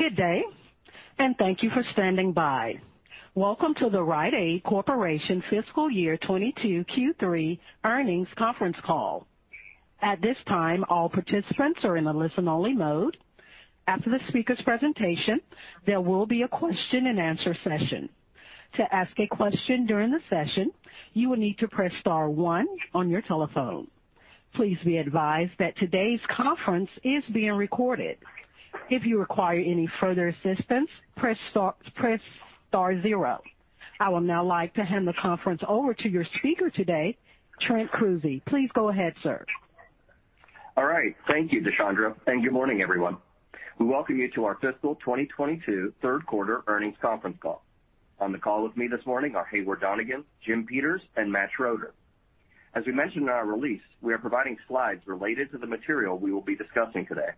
Good day, and thank you for standing by. Welcome to the Rite Aid Corporation Fiscal Year 2022 Q3 earnings conference call. At this time, all participants are in a listen-only mode. After the speaker's presentation, there will be a question-and-answer session. To ask a question during the session, you will need to press star one on your telephone. Please be advised that today's conference is being recorded. If you require any further assistance, press star, press star zero. I would now like to hand the conference over to your speaker today, Trent Kruse. Please go ahead, sir. All right. Thank you, Deshondra, and good morning, everyone. We welcome you to our fiscal 2022 third quarter earnings conference call. On the call with me this morning are Heyward Donigan, Jim Peters, and Matt Schroeder. As we mentioned in our release, we are providing slides related to the material we will be discussing today.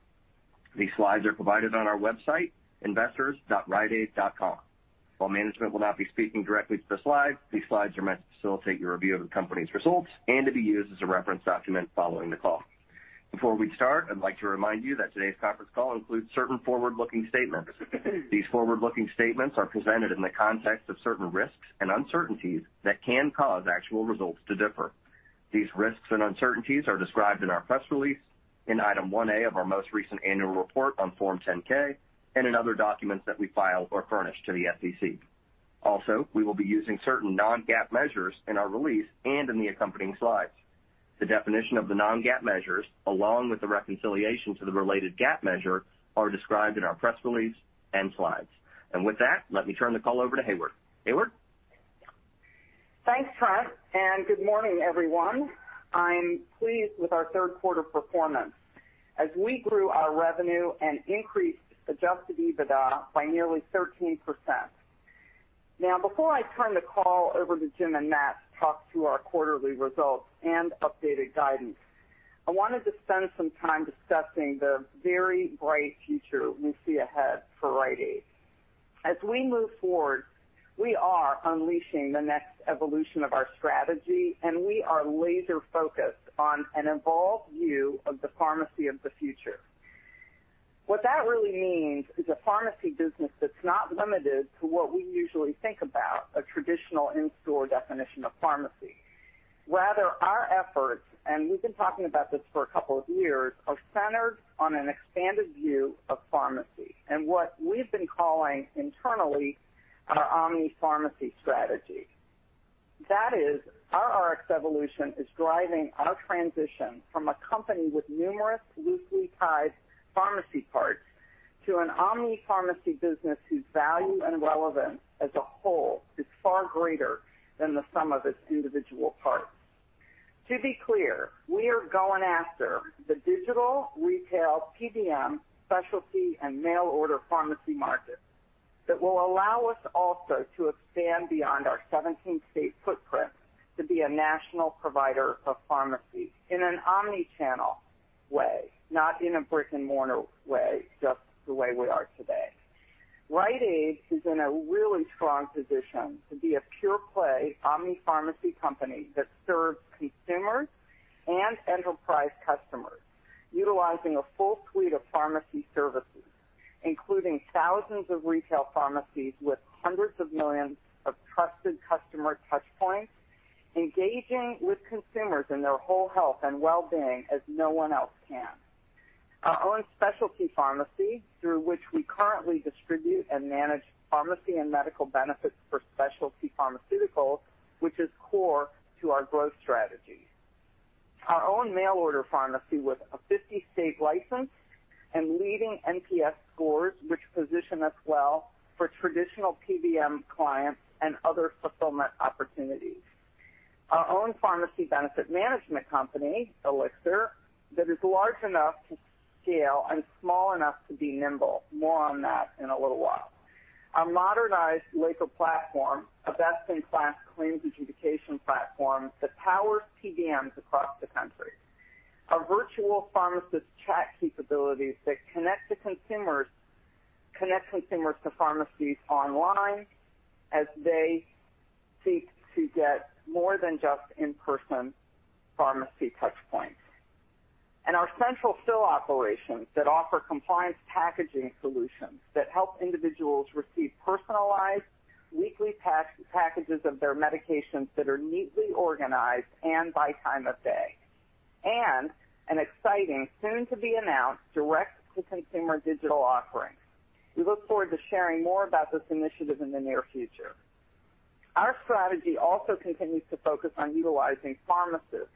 These slides are provided on our website, investors.riteaid.com. While management will not be speaking directly to the slides, these slides are meant to facilitate your review of the company's results and to be used as a reference document following the call. Before we start, I'd like to remind you that today's conference call includes certain forward-looking statements. These forward-looking statements are presented in the context of certain risks and uncertainties that can cause actual results to differ. These risks and uncertainties are described in our press release, in Item 1A of our most recent annual report on Form 10-K, and in other documents that we file or furnish to the SEC. Also, we will be using certain non-GAAP measures in our release and in the accompanying slides. The definition of the non-GAAP measures, along with the reconciliation to the related GAAP measure, are described in our press release and slides. With that, let me turn the call over to Heyward. Heyward? Thanks, Trent, and good morning, everyone. I'm pleased with our third quarter performance as we grew our revenue and increased adjusted EBITDA by nearly 13%. Now, before I turn the call over to Jim and Matt to talk through our quarterly results and updated guidance, I wanted to spend some time discussing the very bright future we see ahead for Rite Aid. As we move forward, we are unleashing the next evolution of our strategy, and we are laser-focused on an evolved view of the pharmacy of the future. What that really means is a pharmacy business that's not limited to what we usually think about a traditional in-store definition of pharmacy. Rather, our efforts, and we've been talking about this for a couple of years, are centered on an expanded view of pharmacy and what we've been calling internally our omni pharmacy strategy. That is, our RxEvolution is driving our transition from a company with numerous loosely tied pharmacy parts to an omni pharmacy business whose value and relevance as a whole is far greater than the sum of its individual parts. To be clear, we are going after the digital, retail, PBM, specialty, and mail order pharmacy markets that will allow us also to expand beyond our 17-state footprint to be a national provider of pharmacy in an omni-channel way, not in a brick-and-mortar way, just the way we are today. Rite Aid is in a really strong position to be a pure play omni pharmacy company that serves consumers and enterprise customers, utilizing a full suite of pharmacy services, including thousands of retail pharmacies with hundreds of millions of trusted customer touch points, engaging with consumers in their whole health and well-being as no one else can. Our own specialty pharmacy, through which we currently distribute and manage pharmacy and medical benefits for specialty pharmaceuticals, which is core to our growth strategy. Our own mail order pharmacy with a 50-state license and leading NPS scores, which position us well for traditional PBM clients and other fulfillment opportunities. Our own pharmacy benefit management company, Elixir, that is large enough to scale and small enough to be nimble. More on that in a little while. Our modernized Laker platform, a best-in-class claims adjudication platform that powers PBMs across the country. Our virtual pharmacist chat capabilities that connect to consumers, connect consumers to pharmacies online as they seek to get more than just in-person pharmacy touch points. Our central fill operations that offer compliance packaging solutions that help individuals receive personalized weekly packages of their medications that are neatly organized and by time of day. An exciting soon-to-be announced direct-to-consumer digital offering. We look forward to sharing more about this initiative in the near future. Our strategy also continues to focus on utilizing pharmacists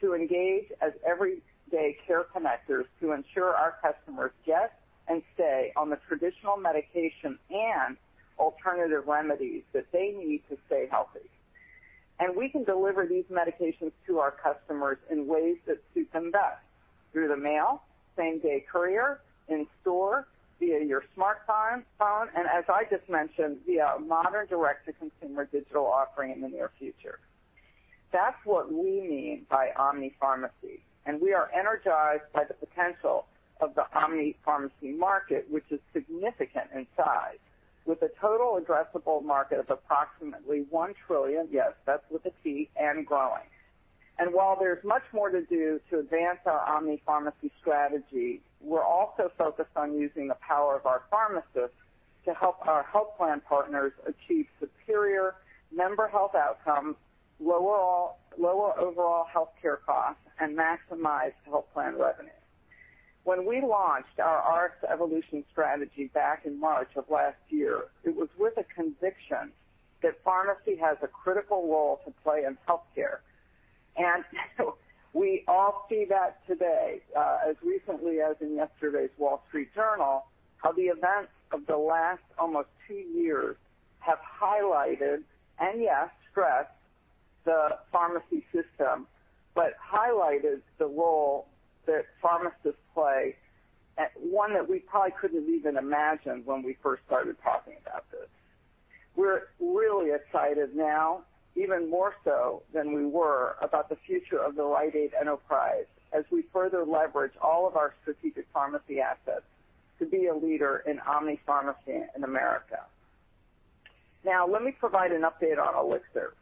to engage as everyday care connectors to ensure our customers get and stay on the traditional medication and alternative remedies that they need to stay healthy. We can deliver these medications to our customers in ways that suit them best, through the mail, same-day courier, in-store, via your smartphone, phone, and as I just mentioned, via a modern direct-to-consumer digital offering in the near future. That's what we mean by omni pharmacy, and we are energized by the potential of the omni pharmacy market, which is significant in size with a total addressable market of approximately $1 trillion, yes, that's with a T, and growing. While there's much more to do to advance our omni pharmacy strategy, we're also focused on using the power of our pharmacists to help our health plan partners achieve superior member health outcomes, lower overall healthcare costs, and maximize health plan revenue. When we launched our RxEvolution strategy back in March of last year, it was with a conviction that pharmacy has a critical role to play in healthcare. We all see that today, as recently as in yesterday's Wall Street Journal, how the events of the last almost two years have highlighted and, yes, stressed the pharmacy system, but highlighted the role that pharmacists play at one that we probably couldn't have even imagined when we first started talking about this. We're really excited now, even more so than we were, about the future of the Rite Aid enterprise as we further leverage all of our strategic pharmacy assets to be a leader in omni pharmacy in America. Now let me provide an update on Elixir.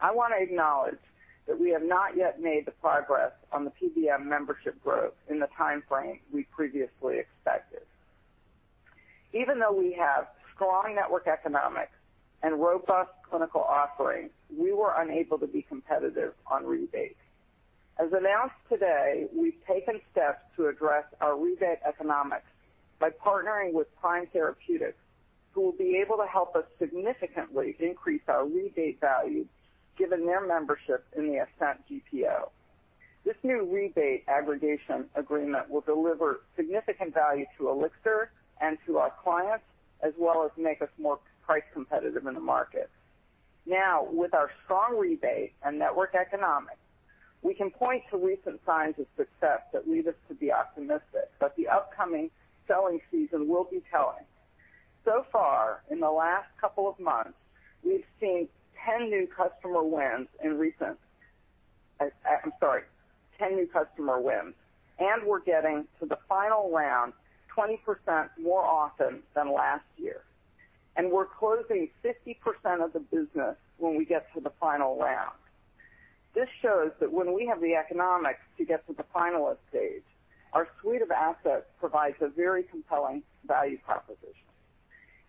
I wanna acknowledge that we have not yet made the progress on the PBM membership growth in the timeframe we previously expected. Even though we have strong network economics and robust clinical offerings, we were unable to be competitive on rebates. As announced today, we've taken steps to address our rebate economics by partnering with Prime Therapeutics, who will be able to help us significantly increase our rebate value given their membership in the Ascent GPO. This new rebate aggregation agreement will deliver significant value to Elixir and to our clients, as well as make us more price competitive in the market. Now, with our strong rebate and network economics, we can point to recent signs of success that lead us to be optimistic that the upcoming selling season will be telling. So far, in the last couple of months, we've seen 10 new customer wins, and we're getting to the final round 20% more often than last year. We're closing 50% of the business when we get to the final round. This shows that when we have the economics to get to the finalist stage, our suite of assets provides a very compelling value proposition.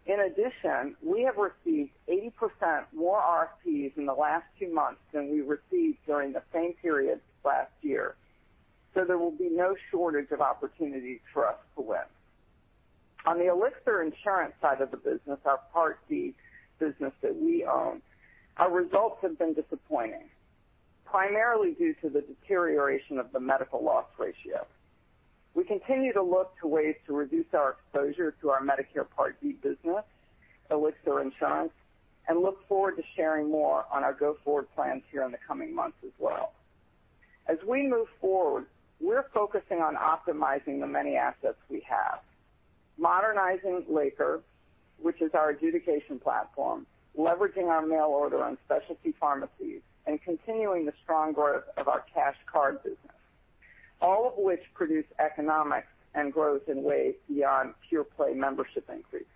In addition, we have received 80% more RFPs in the last two months than we received during the same period last year, so there will be no shortage of opportunities for us to win. On the Elixir Insurance side of the business, our Part D business that we own, our results have been disappointing, primarily due to the deterioration of the medical loss ratio. We continue to look to ways to reduce our exposure to our Medicare Part D business, Elixir Insurance, and look forward to sharing more on our go-forward plans here in the coming months as well. As we move forward, we're focusing on optimizing the many assets we have. Modernizing Laker, which is our adjudication platform, leveraging our mail order and specialty pharmacies, and continuing the strong growth of our cash card business, all of which produce economics and growth in ways beyond pure play membership increases.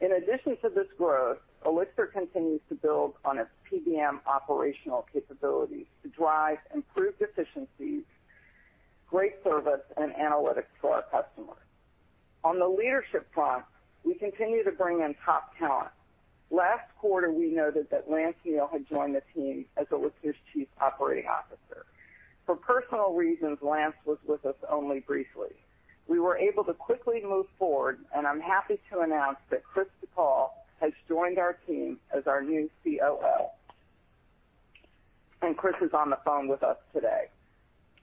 In addition to this growth, Elixir continues to build on its PBM operational capabilities to drive improved efficiencies, great service, and analytics for our customers. On the leadership front, we continue to bring in top talent. Last quarter, we noted that Lance Neill had joined the team as Elixir's Chief Operating Officer. For personal reasons, Lance was with us only briefly. We were able to quickly move forward, and I'm happy to announce that Chris DuPaul has joined our team as our new COO. Chris is on the phone with us today.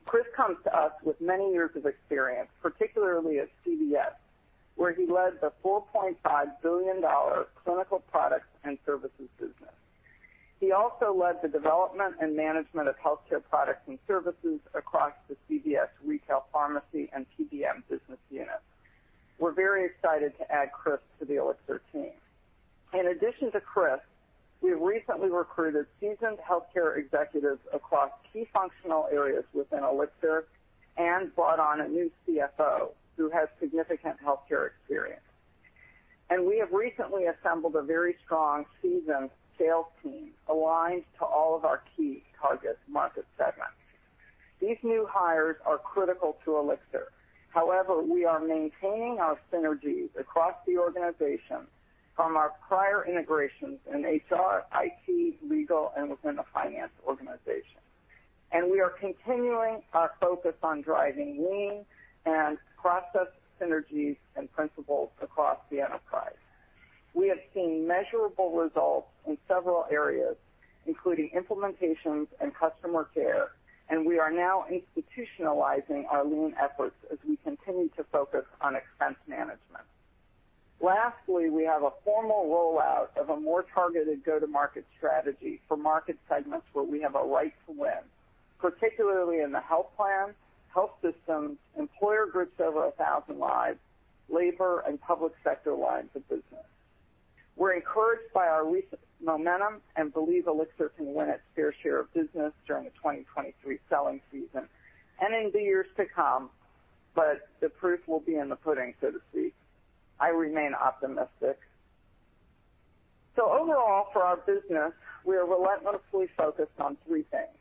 Chris comes to us with many years of experience, particularly at CVS, where he led the $4.5 billion Clinical Products and Services business. He also led the development and management of healthcare products and services across the CVS Retail Pharmacy and PBM business unit. We're very excited to add Chris to the Elixir team. In addition to Chris, we recently recruited seasoned healthcare executives across key functional areas within Elixir and brought on a new CFO who has significant healthcare experience. We have recently assembled a very strong, seasoned sales team aligned to all of our key target market segments. These new hires are critical to Elixir. However, we are maintaining our synergies across the organization from our prior integrations in HR, IT, legal, and within the finance organization. We are continuing our focus on driving lean and process synergies and principles across the enterprise. We have seen measurable results in several areas, including implementations and customer care, and we are now institutionalizing our lean efforts as we continue to focus on expense management. Lastly, we have a formal rollout of a more targeted go-to-market strategy for market segments where we have a right to win, particularly in the health plan, health systems, employer groups over 1,000 lives, labor and public sector lines of business. We're encouraged by our recent momentum and believe Elixir can win its fair share of business during the 2023 selling season and in the years to come, but the proof will be in the pudding, so to speak. I remain optimistic. Overall for our business, we are relentlessly focused on three things,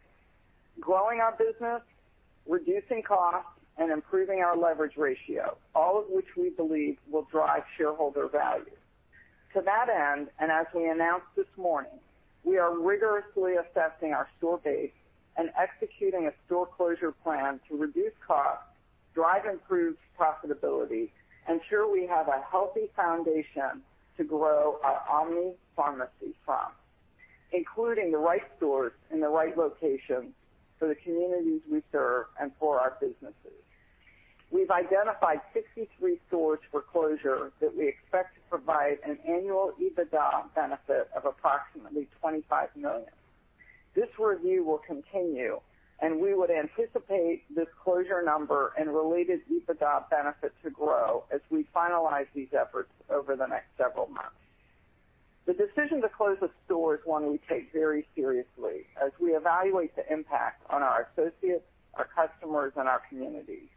growing our business, reducing costs, and improving our leverage ratio, all of which we believe will drive shareholder value. To that end, and as we announced this morning, we are rigorously assessing our store base and executing a store closure plan to reduce costs, drive improved profitability, ensure we have a healthy foundation to grow our omni pharmacy from, including the right stores in the right locations for the communities we serve and for our businesses. We've identified 63 stores for closure that we expect to provide an annual EBITDA benefit of approximately $25 million. This review will continue, and we would anticipate this closure number and related EBITDA benefit to grow as we finalize these efforts over the next several months. The decision to close a store is one we take very seriously as we evaluate the impact on our associates, our customers, and our communities.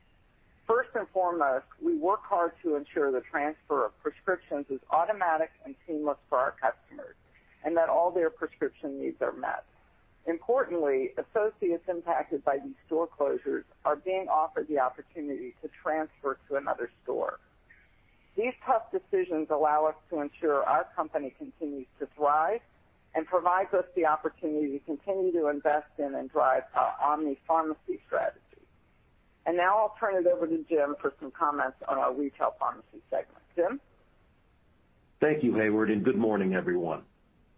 First and foremost, we work hard to ensure the transfer of prescriptions is automatic and seamless for our customers, and that all their prescription needs are met. Importantly, associates impacted by these store closures are being offered the opportunity to transfer to another store. These tough decisions allow us to ensure our company continues to thrive and provides us the opportunity to continue to invest in and drive our omni pharmacy strategy. Now I'll turn it over to Jim for some comments on our retail pharmacy segment. Jim? Thank you, Heyward, and good morning, everyone.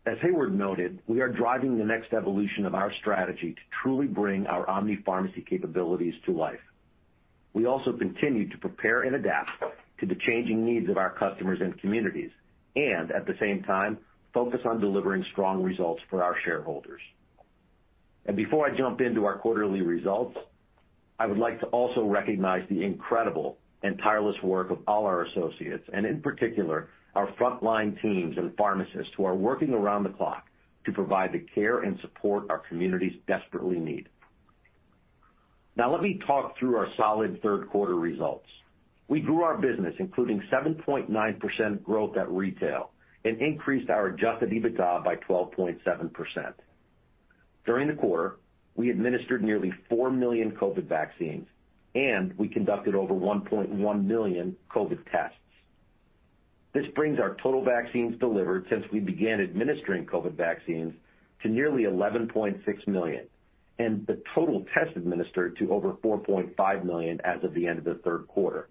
As Heyward noted, we are driving the next evolution of our strategy to truly bring our omni pharmacy capabilities to life. We also continue to prepare and adapt to the changing needs of our customers and communities and at the same time, focus on delivering strong results for our shareholders. Before I jump into our quarterly results, I would like to also recognize the incredible and tireless work of all our associates, and in particular, our frontline teams and pharmacists who are working around the clock to provide the care and support our communities desperately need. Now, let me talk through our solid third quarter results. We grew our business, including 7.9% growth at retail and increased our adjusted EBITDA by 12.7%. During the quarter, we administered nearly 4 million COVID vaccines, and we conducted over 1.1 million COVID tests. This brings our total vaccines delivered since we began administering COVID vaccines to nearly 11.6 million, and the total tests administered to over 4.5 million as of the end of the third quarter.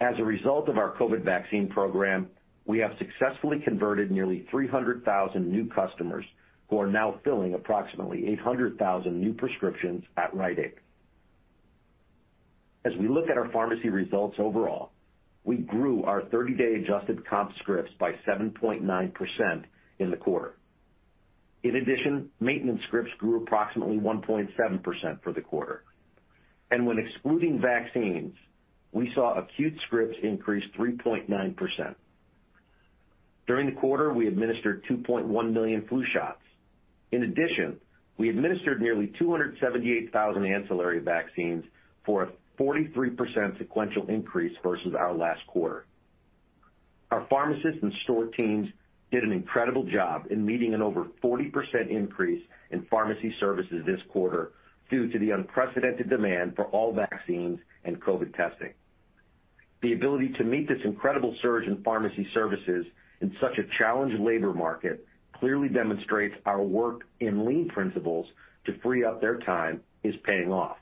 As a result of our COVID vaccine program, we have successfully converted nearly 300,000 new customers who are now filling approximately 800,000 new prescriptions at Rite Aid. As we look at our pharmacy results overall, we grew our 30-day adjusted comp scripts by 7.9% in the quarter. In addition, maintenance scripts grew approximately 1.7% for the quarter. When excluding vaccines, we saw acute scripts increase 3.9%. During the quarter, we administered 2.1 million flu shots. In addition, we administered nearly 278,000 ancillary vaccines for a 43% sequential increase versus our last quarter. Our pharmacists and store teams did an incredible job in meeting an over 40% increase in pharmacy services this quarter due to the unprecedented demand for all vaccines and COVID testing. The ability to meet this incredible surge in pharmacy services in such a challenged labor market clearly demonstrates our work in lean principles to free up their time is paying off.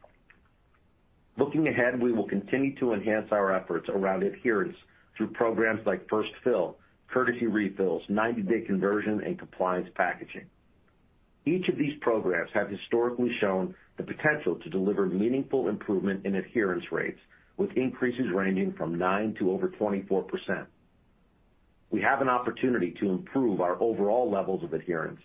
Looking ahead, we will continue to enhance our efforts around adherence through programs like First Fill, Courtesy Refills, Ninety-Day Conversion, and Compliance Packaging. Each of these programs have historically shown the potential to deliver meaningful improvement in adherence rates with increases ranging from 9%-over 24%. We have an opportunity to improve our overall levels of adherence,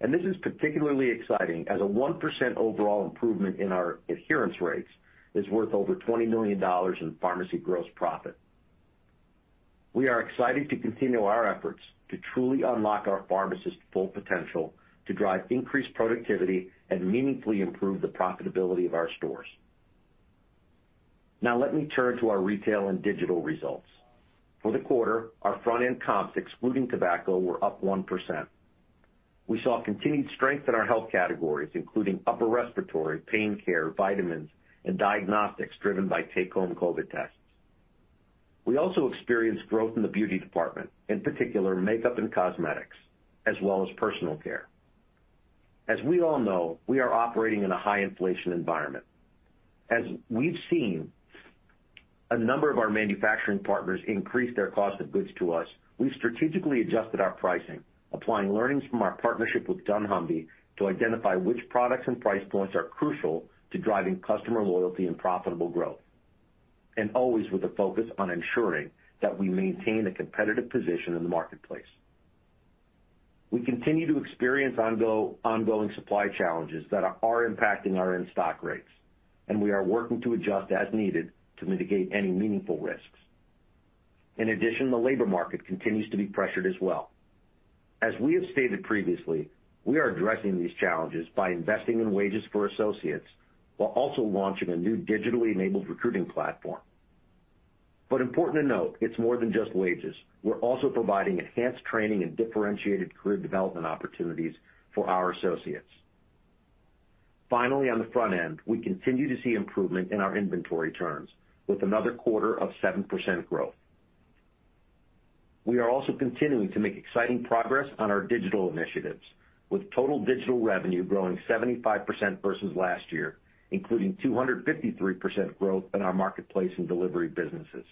and this is particularly exciting as a 1% overall improvement in our adherence rates is worth over $20 million in pharmacy gross profit. We are excited to continue our efforts to truly unlock our pharmacist's full potential to drive increased productivity and meaningfully improve the profitability of our stores. Now let me turn to our retail and digital results. For the quarter, our front-end comps, excluding tobacco, were up 1%. We saw continued strength in our health categories, including upper respiratory, pain care, vitamins, and diagnostics driven by take-home COVID tests. We also experienced growth in the beauty department, in particular, makeup and cosmetics, as well as personal care. As we all know, we are operating in a high inflation environment. As we've seen a number of our manufacturing partners increase their cost of goods to us, we've strategically adjusted our pricing, applying learnings from our partnership with dunnhumby to identify which products and price points are crucial to driving customer loyalty and profitable growth, and always with a focus on ensuring that we maintain a competitive position in the marketplace. We continue to experience ongoing supply challenges that are impacting our in-stock rates, and we are working to adjust as needed to mitigate any meaningful risks. In addition, the labor market continues to be pressured as well. As we have stated previously, we are addressing these challenges by investing in wages for associates, while also launching a new digitally-enabled recruiting platform. Important to note, it's more than just wages. We're also providing enhanced training and differentiated career development opportunities for our associates. Finally, on the front end, we continue to see improvement in our inventory terms with another quarter of 7% growth. We are also continuing to make exciting progress on our digital initiatives, with total digital revenue growing 75% versus last year, including 253% growth in our marketplace and delivery businesses.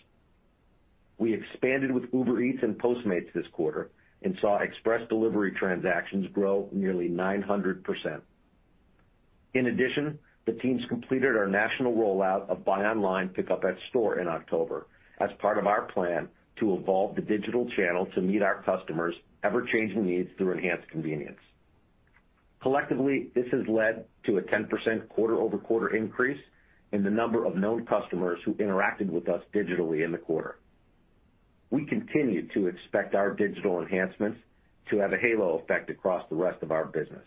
We expanded with Uber Eats and Postmates this quarter and saw express delivery transactions grow nearly 900%. In addition, the teams completed our national rollout of buy online, pickup at store in October as part of our plan to evolve the digital channel to meet our customers' ever-changing needs through enhanced convenience. Collectively, this has led to a 10% quarter-over-quarter increase in the number of known customers who interacted with us digitally in the quarter. We continue to expect our digital enhancements to have a halo effect across the rest of our business,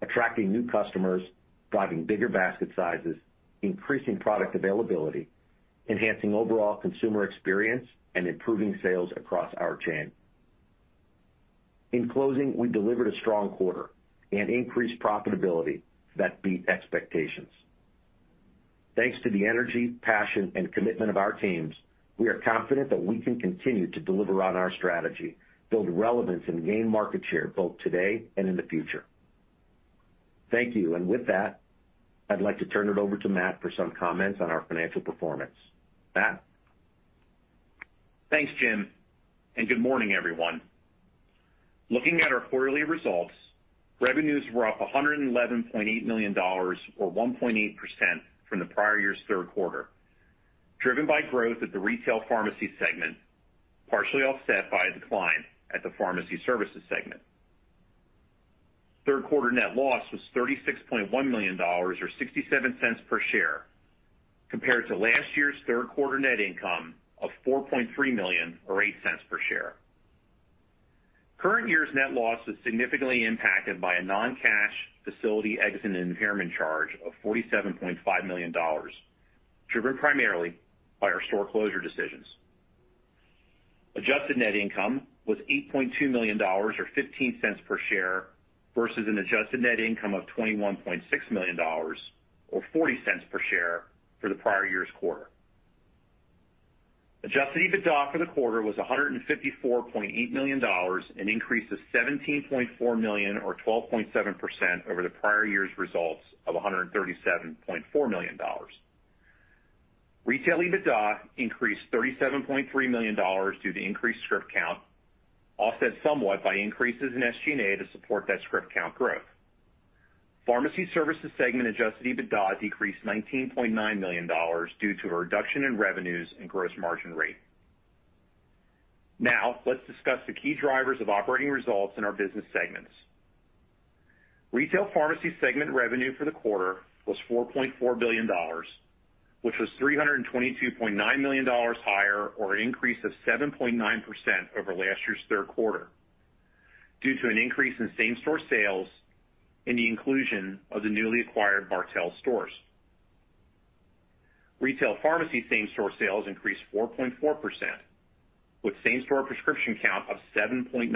attracting new customers, driving bigger basket sizes, increasing product availability, enhancing overall consumer experience, and improving sales across our chain. In closing, we delivered a strong quarter and increased profitability that beat expectations. Thanks to the energy, passion, and commitment of our teams, we are confident that we can continue to deliver on our strategy, build relevance, and gain market share both today and in the future. Thank you. With that, I'd like to turn it over to Matt for some comments on our financial performance. Matt? Thanks, Jim, and good morning, everyone. Looking at our quarterly results, revenues were up $111.8 million or 1.8% from the prior year's third quarter, driven by growth at the retail pharmacy segment, partially offset by a decline at the pharmacy services segment. Third quarter net loss was $36.1 million or $0.67 per share, compared to last year's third quarter net income of $4.3 million or $0.08 per share. Current year's net loss was significantly impacted by a non-cash facility exit and impairment charge of $47.5 million, driven primarily by our store closure decisions. Adjusted net income was $8.2 million or $0.15 per share versus an adjusted net income of $21.6 million or $0.40 per share for the prior year's quarter. Adjusted EBITDA for the quarter was $154.8 million, an increase of $17.4 million or 12.7% over the prior year's results of $137.4 million. Retail EBITDA increased $37.3 million due to increased script count, offset somewhat by increases in SG&A to support that script count growth. Pharmacy services segment adjusted EBITDA decreased $19.9 million due to a reduction in revenues and gross margin rate. Now, let's discuss the key drivers of operating results in our business segments. Retail Pharmacy segment revenue for the quarter was $4.4 billion, which was $322.9 million higher or an increase of 7.9% over last year's third quarter due to an increase in same-store sales and the inclusion of the newly acquired Bartell stores. Retail Pharmacy same-store sales increased 4.4%, with same-store prescription count up 7.9%.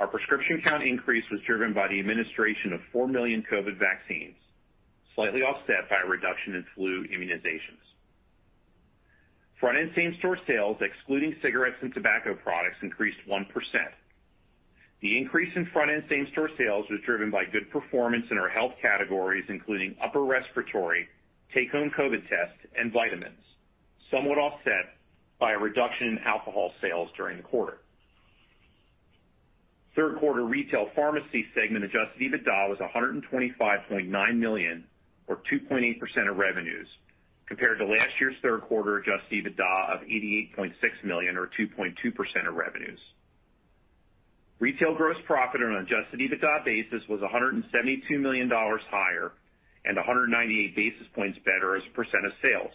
Our prescription count increase was driven by the administration of 4 million COVID vaccines, slightly offset by a reduction in flu immunizations. Front-end same-store sales, excluding cigarettes and tobacco products, increased 1%. The increase in front-end same-store sales was driven by good performance in our health categories, including upper respiratory, at-home COVID tests, and vitamins, somewhat offset by a reduction in alcohol sales during the quarter. Third quarter retail pharmacy segment adjusted EBITDA was $125.9 million or 2.8% of revenues, compared to last year's third quarter adjusted EBITDA of $88.6 million or 2.2% of revenues. Retail gross profit on an adjusted EBITDA basis was $172 million higher and 198 basis points better as a percent of sales.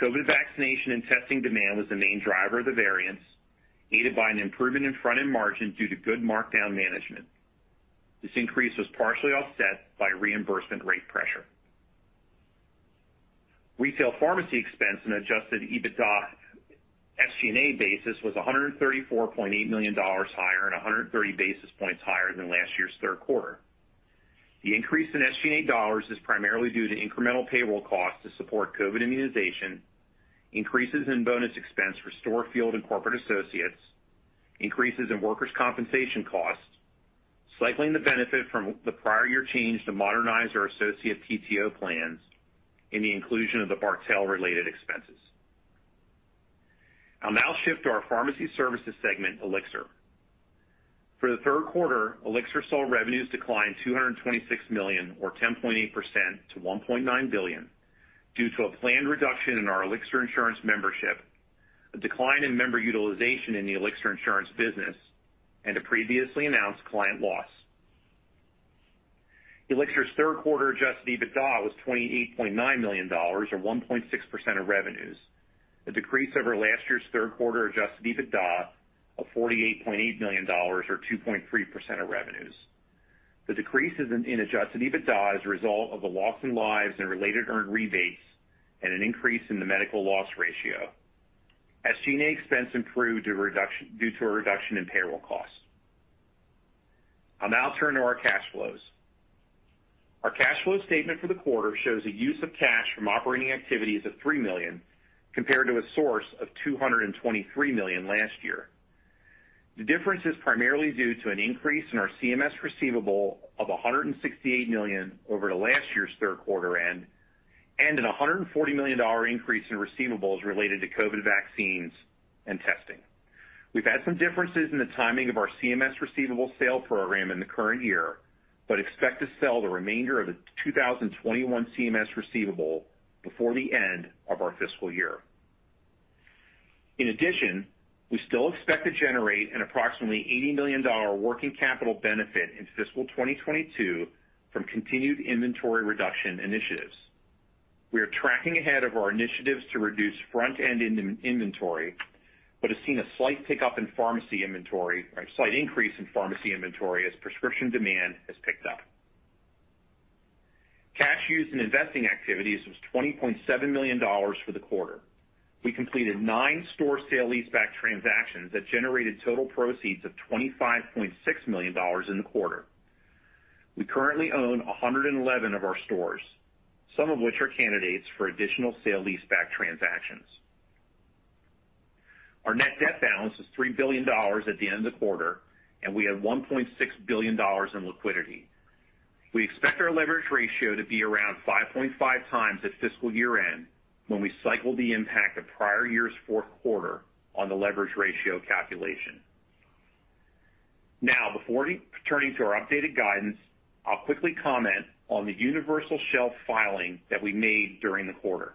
COVID vaccination and testing demand was the main driver of the variance, aided by an improvement in front-end margin due to good markdown management. This increase was partially offset by reimbursement rate pressure. Retail pharmacy expense in adjusted EBITDA SG&A basis was $134.8 million higher and 130 basis points higher than last year's third quarter. The increase in SG&A dollars is primarily due to incremental payroll costs to support COVID immunization, increases in bonus expense for store, field, and corporate associates, increases in workers' compensation costs, cycling the benefit from the prior year change to modernize our associate PTO plans, and the inclusion of the Bartell-related expenses. I'll now shift to our pharmacy services segment, Elixir. For the third quarter, Elixir's net revenues declined $226 million or 10.8% to $1.9 billion due to a planned reduction in our Elixir Insurance membership, a decline in member utilization in the Elixir Insurance business, and a previously announced client loss. Elixir's third quarter adjusted EBITDA was $28.9 million or 1.6% of revenues. A decrease over last year's third quarter adjusted EBITDA of $48.8 million or 2.3% of revenues. The decreases in adjusted EBITDA is a result of the loss in sales and related earned rebates and an increase in the medical loss ratio. SG&A expense improved due to a reduction in payroll costs. I'll now turn to our cash flows. Our cash flow statement for the quarter shows a use of cash from operating activities of $3 million, compared to a source of $223 million last year. The difference is primarily due to an increase in our CMS receivable of $168 million over the last year's third quarter end, and a $140 million increase in receivables related to COVID vaccines and testing. We've had some differences in the timing of our CMS receivable sale program in the current year, but expect to sell the remainder of the 2021 CMS receivable before the end of our fiscal year. In addition, we still expect to generate an approximately $80 million working capital benefit in fiscal 2022 from continued inventory reduction initiatives. We are tracking ahead of our initiatives to reduce front-end inventory, but have seen a slight pickup in pharmacy inventory or a slight increase in pharmacy inventory as prescription demand has picked up. Cash used in investing activities was $20.7 million for the quarter. We completed nine store sale leaseback transactions that generated total proceeds of $25.6 million in the quarter. We currently own 111 of our stores, some of which are candidates for additional sale leaseback transactions. Our net debt balance was $3 billion at the end of the quarter, and we had $1.6 billion in liquidity. We expect our leverage ratio to be around 5.5x at fiscal year-end, when we cycle the impact of prior year's fourth quarter on the leverage ratio calculation. Now, before returning to our updated guidance, I'll quickly comment on the universal shelf filing that we made during the quarter.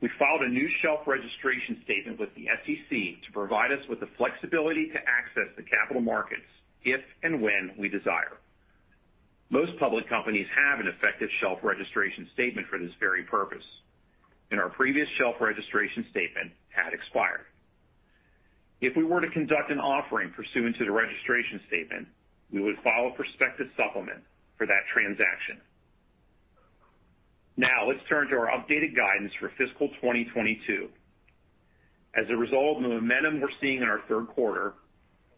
We filed a new shelf registration statement with the SEC to provide us with the flexibility to access the capital markets if and when we desire. Most public companies have an effective shelf registration statement for this very purpose, and our previous shelf registration statement had expired. If we were to conduct an offering pursuant to the registration statement, we would file a prospectus supplement for that transaction. Now, let's turn to our updated guidance for fiscal 2022. As a result of the momentum we're seeing in our third quarter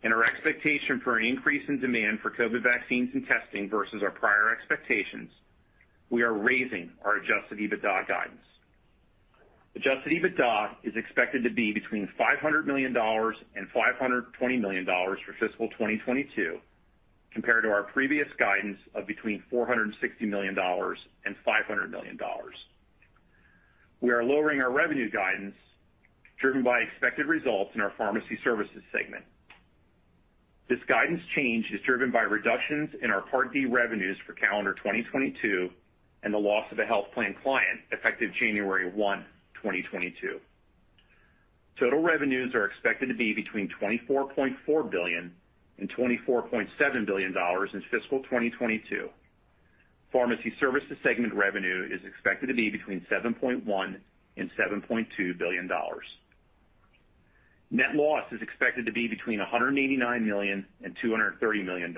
and our expectation for an increase in demand for COVID vaccines and testing versus our prior expectations, we are raising our adjusted EBITDA guidance. Adjusted EBITDA is expected to be between $500 million and $520 million for fiscal 2022, compared to our previous guidance of between $460 million and $500 million. We are lowering our revenue guidance, driven by expected results in our pharmacy services segment. This guidance change is driven by reductions in our Part D revenues for calendar 2022 and the loss of a health plan client effective January 1, 2022. Total revenues are expected to be between $24.4 billion and $24.7 billion in fiscal 2022. Pharmacy services segment revenue is expected to be between $7.1 billion and $7.2 billion. Net loss is expected to be between $189 million and $230 million,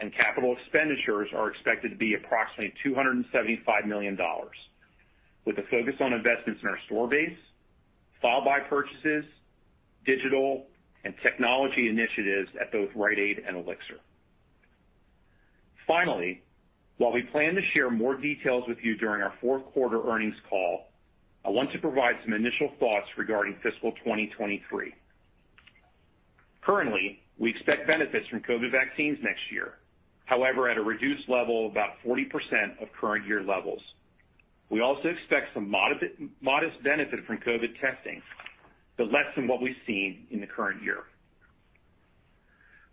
and capital expenditures are expected to be approximately $275 million, with a focus on investments in our store base, forward buy purchases, digital and technology initiatives at both Rite Aid and Elixir. Finally, while we plan to share more details with you during our fourth quarter earnings call, I want to provide some initial thoughts regarding fiscal 2023. Currently, we expect benefits from COVID vaccines next year, however, at a reduced level of about 40% of current year levels. We also expect some modest benefit from COVID testing, but less than what we've seen in the current year.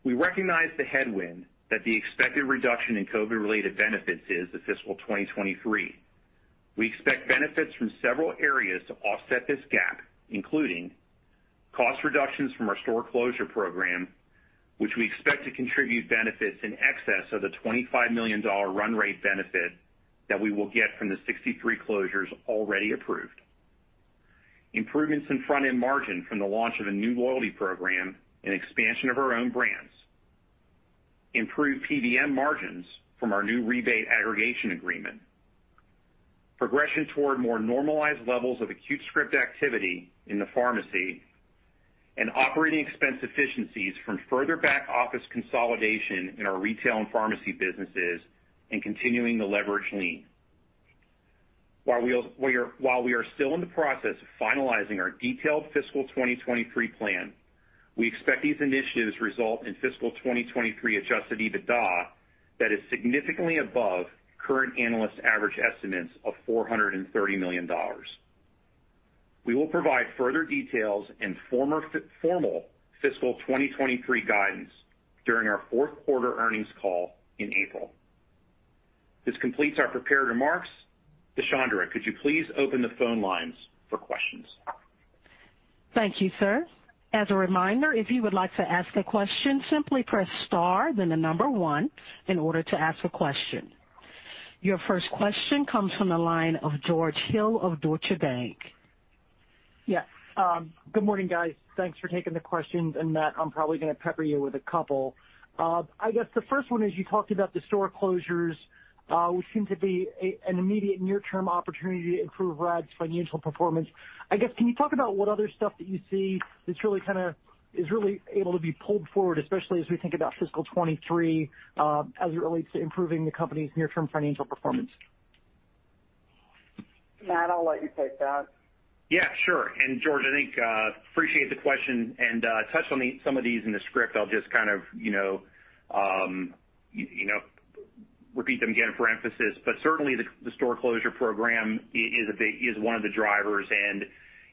We recognize the headwind that the expected reduction in COVID-related benefits is in fiscal 2023. We expect benefits from several areas to offset this gap, including cost reductions from our store closure program, which we expect to contribute benefits in excess of the $25 million run rate benefit that we will get from the 63 closures already approved, improvements in front-end margin from the launch of a new loyalty program and expansion of our own brands, improved PBM margins from our new rebate aggregation agreement, progression toward more normalized levels of acute script activity in the pharmacy, and operating expense efficiencies from further back office consolidation in our retail and pharmacy businesses and continuing the leverage lean. While we are still in the process of finalizing our detailed fiscal 2023 plan, we expect these initiatives result in fiscal 2023 adjusted EBITDA that is significantly above current analyst average estimates of $430 million. We will provide further details in formal fiscal 2023 guidance during our fourth quarter earnings call in April. This completes our prepared remarks. Deshondra, could you please open the phone lines for questions? Thank you, sir. As a reminder, if you would like to ask a question, simply press star then the number one in order to ask a question. Your first question comes from the line of George Hill of Deutsche Bank. Yeah. Good morning, guys. Thanks for taking the questions. Matt, I'm probably gonna pepper you with a couple. I guess the first one is you talked about the store closures, which seem to be an immediate near-term opportunity to improve RAD's financial performance. I guess, can you talk about what other stuff that you see that's really able to be pulled forward, especially as we think about fiscal 2023, as it relates to improving the company's near-term financial performance? Matt, I'll let you take that. Yeah, sure. George, I appreciate the question and touched on some of these in the script. I'll just kind of, you know, repeat them again for emphasis. Certainly, the store closure program is a big one of the drivers.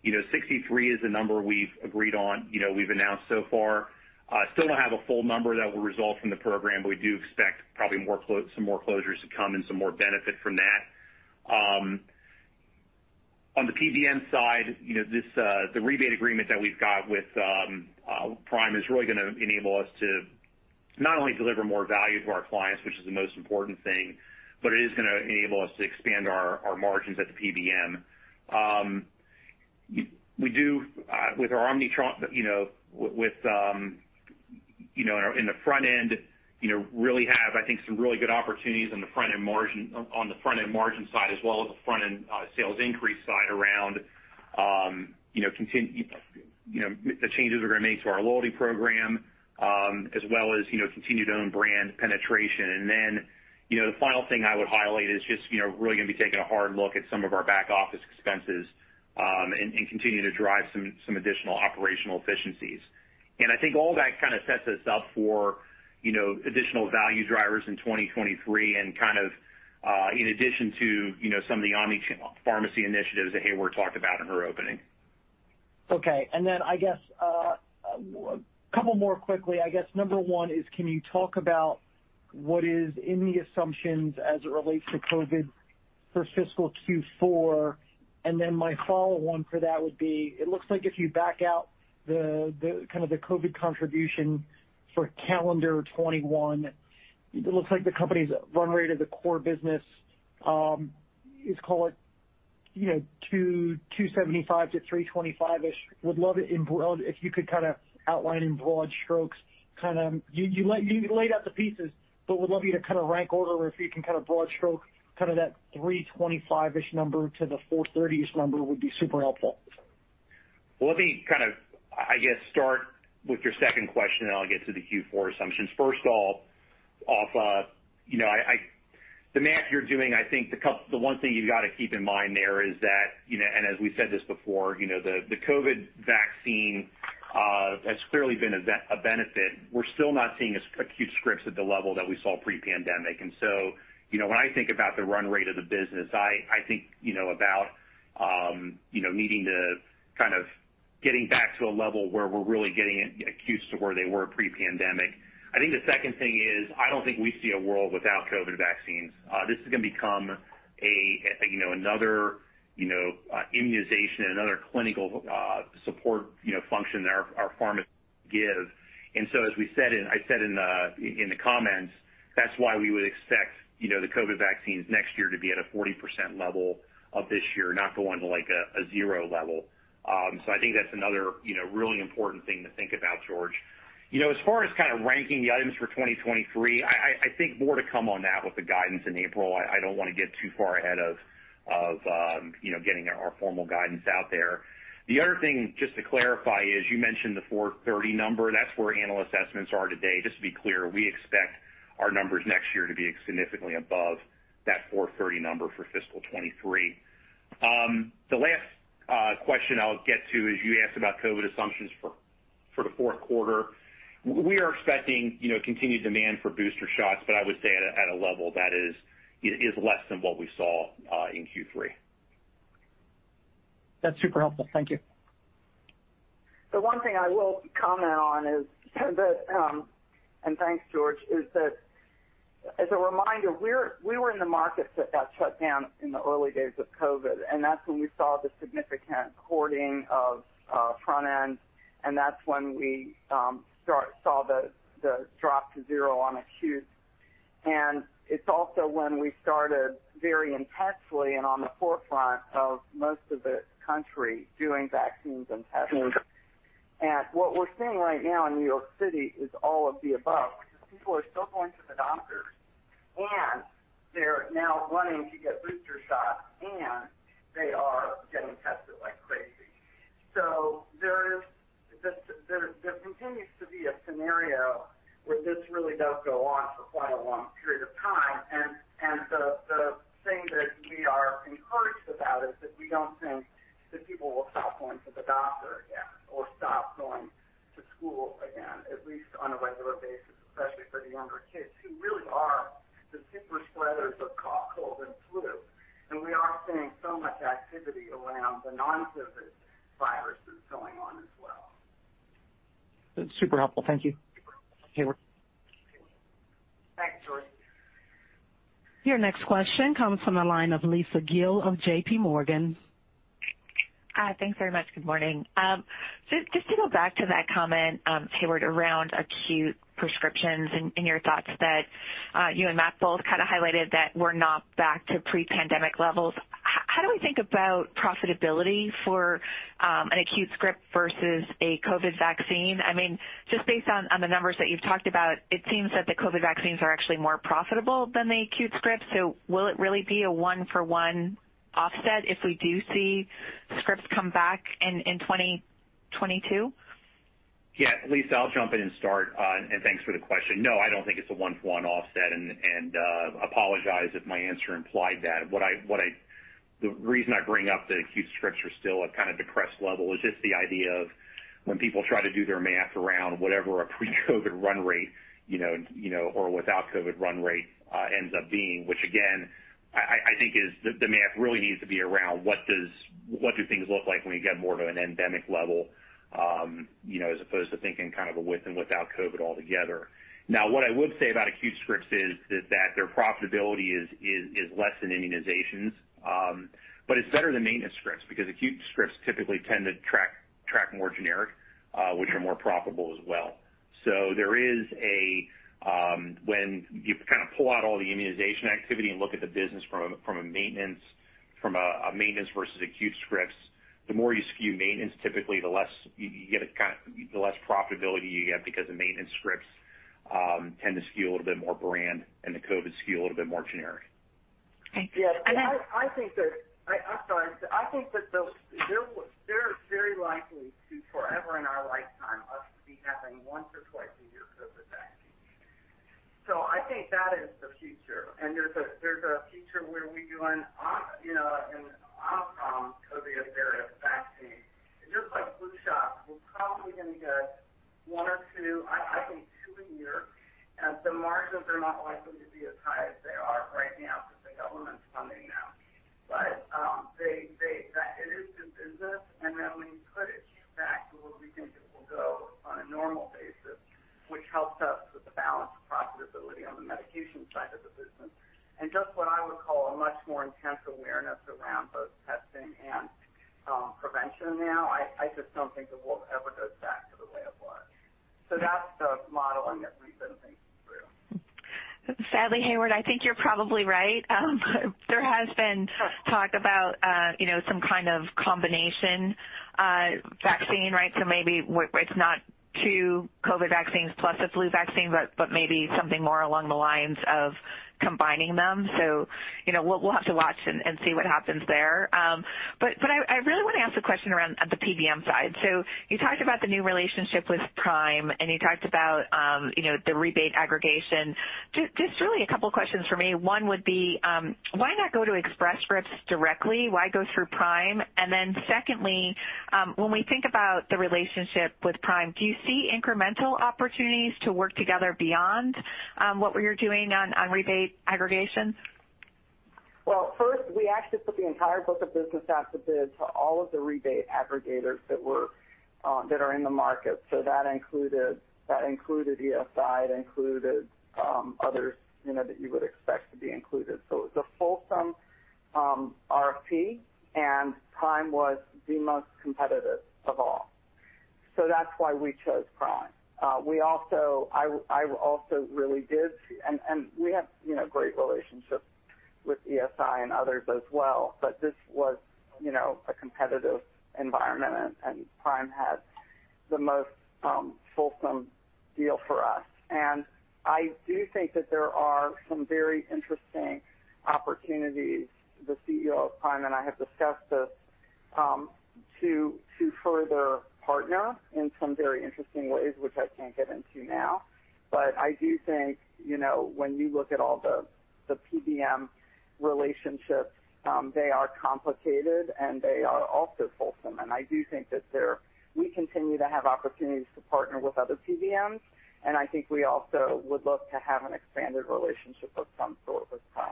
You know, 63 is the number we've agreed on, you know, we've announced so far. Still don't have a full number that will result from the program, but we do expect probably some more closures to come and some more benefit from that. On the PBM side, you know, the rebate agreement that we've got with Prime is really gonna enable us to not only deliver more value to our clients, which is the most important thing, but it is gonna enable us to expand our margins at the PBM. We do with our omnichannel, you know, with, you know, in the front end, you know, really have, I think, some really good opportunities on the front-end margin, on the front-end margin side as well as the front-end sales increase side around, you know, the changes we're gonna make to our loyalty program, as well as, you know, continued own brand penetration. Then, you know, the final thing I would highlight is just, you know, really gonna be taking a hard look at some of our back-office expenses, and continue to drive some additional operational efficiencies. I think all that kinda sets us up for, you know, additional value drivers in 2023 and kind of, in addition to, you know, some of the omnichannel pharmacy initiatives that Heyward talked about in her opening. Okay. I guess a couple more quickly. Number one is, can you talk about what is in the assumptions as it relates to COVID for fiscal Q4? My follow-on for that would be, it looks like if you back out the kind of COVID contribution for calendar 2021, it looks like the company's run rate of the core business is call it $275-$325-ish million. Would love it if you could kinda outline in broad strokes. You laid out the pieces, but would love you to kinda rank order, or if you can kinda broad stroke kinda that $325-ish million number to the $430-ish million number would be super helpful. Well, let me kind of, I guess, start with your second question, and I'll get to the Q4 assumptions. First off, you know, the math you're doing, I think the one thing you've gotta keep in mind there is that, you know, as we said this before, you know, the COVID vaccine has clearly been a benefit. We're still not seeing acute scripts at the level that we saw pre-pandemic. You know, when I think about the run rate of the business, I think, you know, about, you know, needing to kind of getting back to a level where we're really getting acutes to where they were pre-pandemic. I think the second thing is, I don't think we see a world without COVID vaccines. This is gonna become a you know another immunization another clinical support you know function that our pharmacists give. I said in the comments, that's why we would expect you know the COVID vaccines next year to be at a 40% level of this year, not going to a zero level. So I think that's another you know really important thing to think about, George. You know, as far as kind of ranking the items for 2023, I think more to come on that with the guidance in April. I don't wanna get too far ahead of you know getting our formal guidance out there. The other thing, just to clarify, is you mentioned the $430 million number. That's where analyst estimates are today. Just to be clear, we expect our numbers next year to be significantly above that $430 million number for fiscal 2023. The last question I'll get to is you asked about COVID assumptions for the fourth quarter. We are expecting, you know, continued demand for booster shots, but I would say at a level that is less than what we saw in Q3. That's super helpful. Thank you. The one thing I will comment on, and thanks, George, is that as a reminder, we were in the markets that got shut down in the early days of COVID, and that's when we saw the significant hoarding of front end, and that's when we saw the drop to zero on acute. It's also when we started very intensely and on the forefront of most of the country doing vaccines and testing. What we're seeing right now in New York City is all of the above. People are still going to the doctors, and they're now wanting to get booster shots, and they are getting tested like crazy. There continues to be a scenario where this really does go on for quite a long period of time. The thing that we are encouraged about is that we don't think that people will stop going to the doctor again or stop going to school again, at least on a regular basis, especially for the younger kids, who really are the super spreaders of cough, cold, and flu. We are seeing so much activity around the non-COVID viruses going on as well. That's super helpful. Thank you. Heyward. Your next question comes from the line of Lisa Gill of JPMorgan. Thanks very much. Good morning. Just to go back to that comment, Heyward, around acute prescriptions and your thoughts that you and Matt both kind of highlighted that we're not back to pre-pandemic levels. How do we think about profitability for an acute script versus a COVID vaccine? I mean, just based on the numbers that you've talked about, it seems that the COVID vaccines are actually more profitable than the acute scripts. Will it really be a one-for-one offset if we do see scripts come back in 2022? Yeah. Lisa, I'll jump in and start. Thanks for the question. No, I don't think it's a one-for-one offset, and apologize if my answer implied that. The reason I bring up the acute scripts are still a kinda depressed level is just the idea of when people try to do their math around whatever a pre-COVID run rate, you know, or without COVID run rate ends up being, which again, I think is the math really needs to be around what do things look like when we get more to an endemic level, you know, as opposed to thinking kind of a with and without COVID altogether. Now, what I would say about acute scripts is that their profitability is less than immunizations. It's better than maintenance scripts because acute scripts typically tend to skew more generic, which are more profitable as well. When you kinda pull out all the immunization activity and look at the business from a maintenance versus acute scripts, the more you skew maintenance, typically, the less profitability you get because the maintenance scripts tend to skew a little bit more brand, and the COVID skew a little bit more generic. Thanks. And then- Yeah. I think that they're very likely to forever in our lifetime us to be having once or twice a year COVID vaccines. I think that is the future, and there's a future where we do an Omicron COVID vaccine. Just like flu shots, we're probably gonna get one or two. I think two a year. The margins are not likely to be as high as they are right now because the government's funding now. But that it is good business, and then when you put it back to where we think it will go on a normal basis, which helps us with the balance profitability on the medication side of the business. Just what I would call a much more intense awareness around both testing and prevention now. I just don't think it will ever goes back to the way it was. So that's the modeling that we've been thinking through. Sadly, Heyward, I think you're probably right. There has been talk about, you know, some kind of combination vaccine, right? Maybe where it's not two COVID vaccines plus a flu vaccine, but maybe something more along the lines of combining them. You know, we'll have to watch and see what happens there. But I really wanna ask a question around, on the PBM side. You talked about the new relationship with Prime, and you talked about the rebate aggregation. Just really a couple questions from me. One would be, why not go to Express Scripts directly? Why go through Prime? And then secondly, when we think about the relationship with Prime, do you see incremental opportunities to work together beyond, what we are doing on rebate aggregation? First, we actually put the entire book of business out to bid to all of the rebate aggregators that are in the market. That included ESI, it included others, you know, that you would expect to be included. It was a fulsome RFP, and Prime was the most competitive of all. That's why we chose Prime. We also have great relationships with ESI and others as well, but this was a competitive environment, and Prime had the most fulsome deal for us. I do think that there are some very interesting opportunities. The CEO of Prime and I have discussed this to further partner in some very interesting ways, which I can't get into now. I do think, you know, when you look at all the PBM relationships, they are complicated, and they are also fulsome. I do think that we continue to have opportunities to partner with other PBMs, and I think we also would look to have an expanded relationship of some sort with Prime.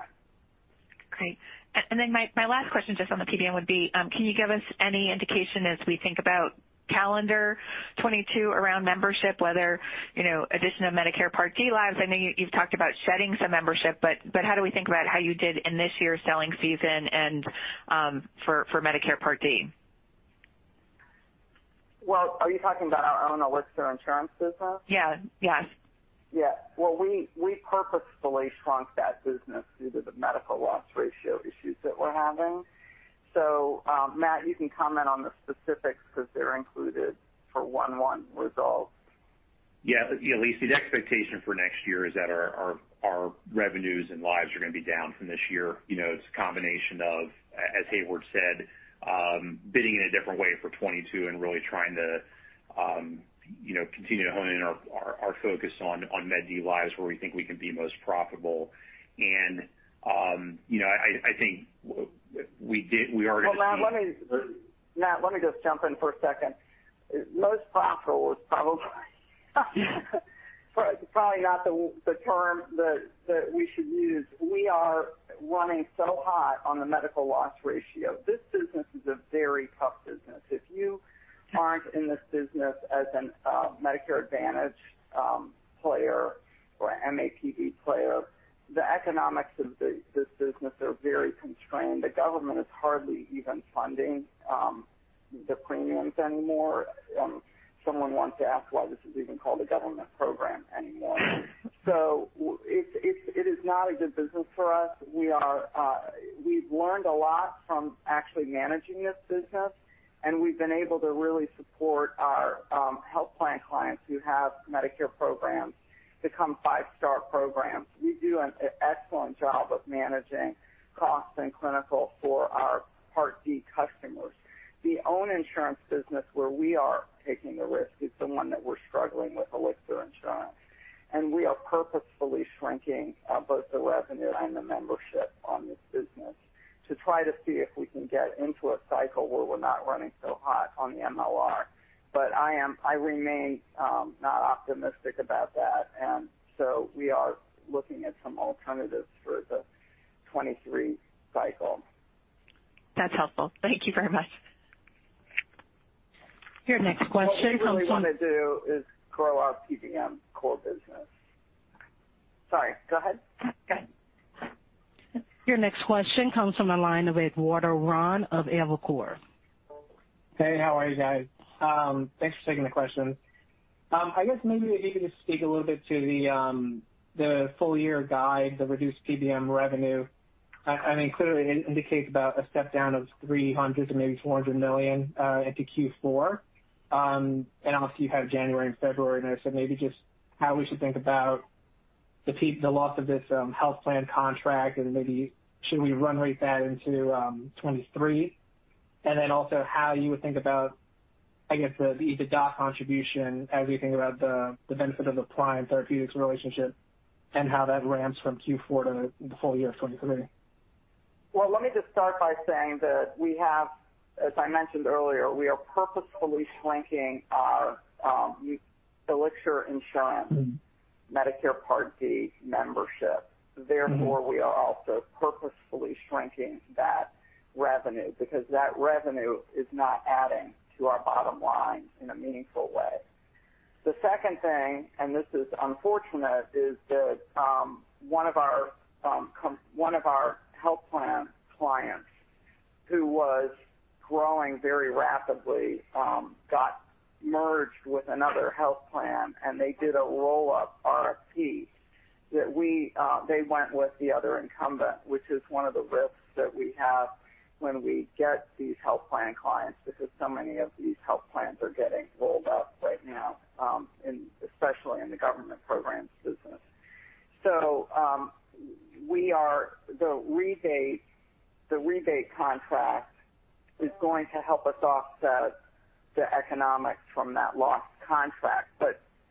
Great. Then my last question just on the PBM would be, can you give us any indication as we think about calendar 2022 around membership, whether, you know, addition of Medicare Part D lives? I know you've talked about shedding some membership, but how do we think about how you did in this year's selling season and for Medicare Part D? Well, are you talking about our own Elixir Insurance business? Yeah. Yes. Yeah. Well, we purposefully shrunk that business due to the medical loss ratio issues that we're having. Matt, you can comment on the specifics because they're included for Q1 results. Yeah. Yeah, Lisa, the expectation for next year is that our revenues and lives are gonna be down from this year. You know, it's a combination of, as Hayward said, bidding in a different way for 2022 and really trying to, you know, continue to hone in our focus on Med D lives where we think we can be most profitable. You know, I think we did, we already did... Matt, let me just jump in for a second. Most profitable is probably not the term that we should use. We are running so hot on the medical loss ratio. This business is a very tough business. If you aren't in this business as a Medicare Advantage player or MAPD player, the economics of this business are very constrained. The government is hardly even funding the premiums anymore. Someone wants to ask why this is even called a government program anymore. It is not a good business for us. We've learned a lot from actually managing this business, and we've been able to really support our health plan clients who have Medicare programs become five-star programs. We do an excellent job of managing costs and clinical for our Part D customers. Our own insurance business, where we are taking the risk, is the one that we're struggling with Elixir Insurance, and we are purposefully shrinking both the revenue and the membership on this business to try to see if we can get into a cycle where we're not running so hot on the MLR. But I remain not optimistic about that. We are looking at some alternatives for the 2023 cycle. That's helpful. Thank you very much. Your next question comes from. What we really wanna do is grow our PBM core business. Sorry, go ahead. Go ahead. Your next question comes from the line of Eduardo Ron of Evercore. Hey, how are you guys? Thanks for taking the question. I guess maybe if you could just speak a little bit to the full year guide, the reduced PBM revenue. I mean, clearly it indicates about a step-down of $300 million-$400 million into Q4. Obviously you have January and February. Maybe just how we should think about the loss of this health plan contract, and maybe should we run rate that into 2023? And then also how you would think about, I guess, the EBITDA contribution as we think about the benefit of the Prime Therapeutics relationship and how that ramps from Q4 to the full year of 2023? Well, let me just start by saying that we have, as I mentioned earlier, we are purposefully shrinking our Elixir Insurance Medicare Part D membership. Therefore, we are also purposefully shrinking that revenue because that revenue is not adding to our bottom line in a meaningful way. The second thing, and this is unfortunate, is that one of our health plan clients who was growing very rapidly got merged with another health plan, and they did a roll-up RFP that we, they went with the other incumbent, which is one of the risks that we have when we get these health plan clients, because so many of these health plans are getting rolled up right now, especially in the government programs business. The rebate contract is going to help us offset the economics from that lost contract.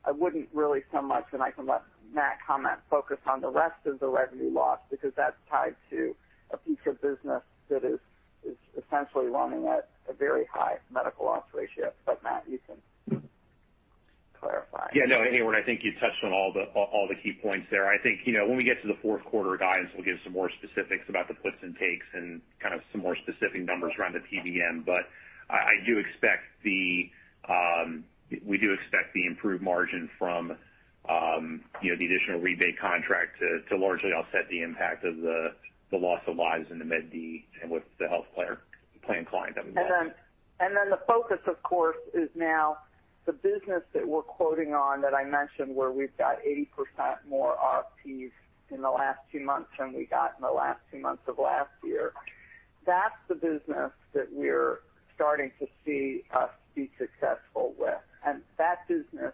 I wouldn't really so much, and I can let Matt comment, focus on the rest of the revenue loss because that's tied to a piece of business that is essentially running at a very high medical loss ratio. Matt, you can clarify. Yeah, no, Heyward, I think you touched on all the key points there. I think, you know, when we get to the fourth quarter guidance, we'll give some more specifics about the puts and takes and kind of some more specific numbers around the PBM. I do expect we do expect the improved margin from, you know, the additional rebate contract to largely offset the impact of the loss of lives in the Med D and with the health plan client I mentioned. The focus, of course, is now the business that we're quoting on that I mentioned, where we've got 80% more RFPs in the last two months than we got in the last two months of last year. That's the business that we're starting to see us be successful with. That business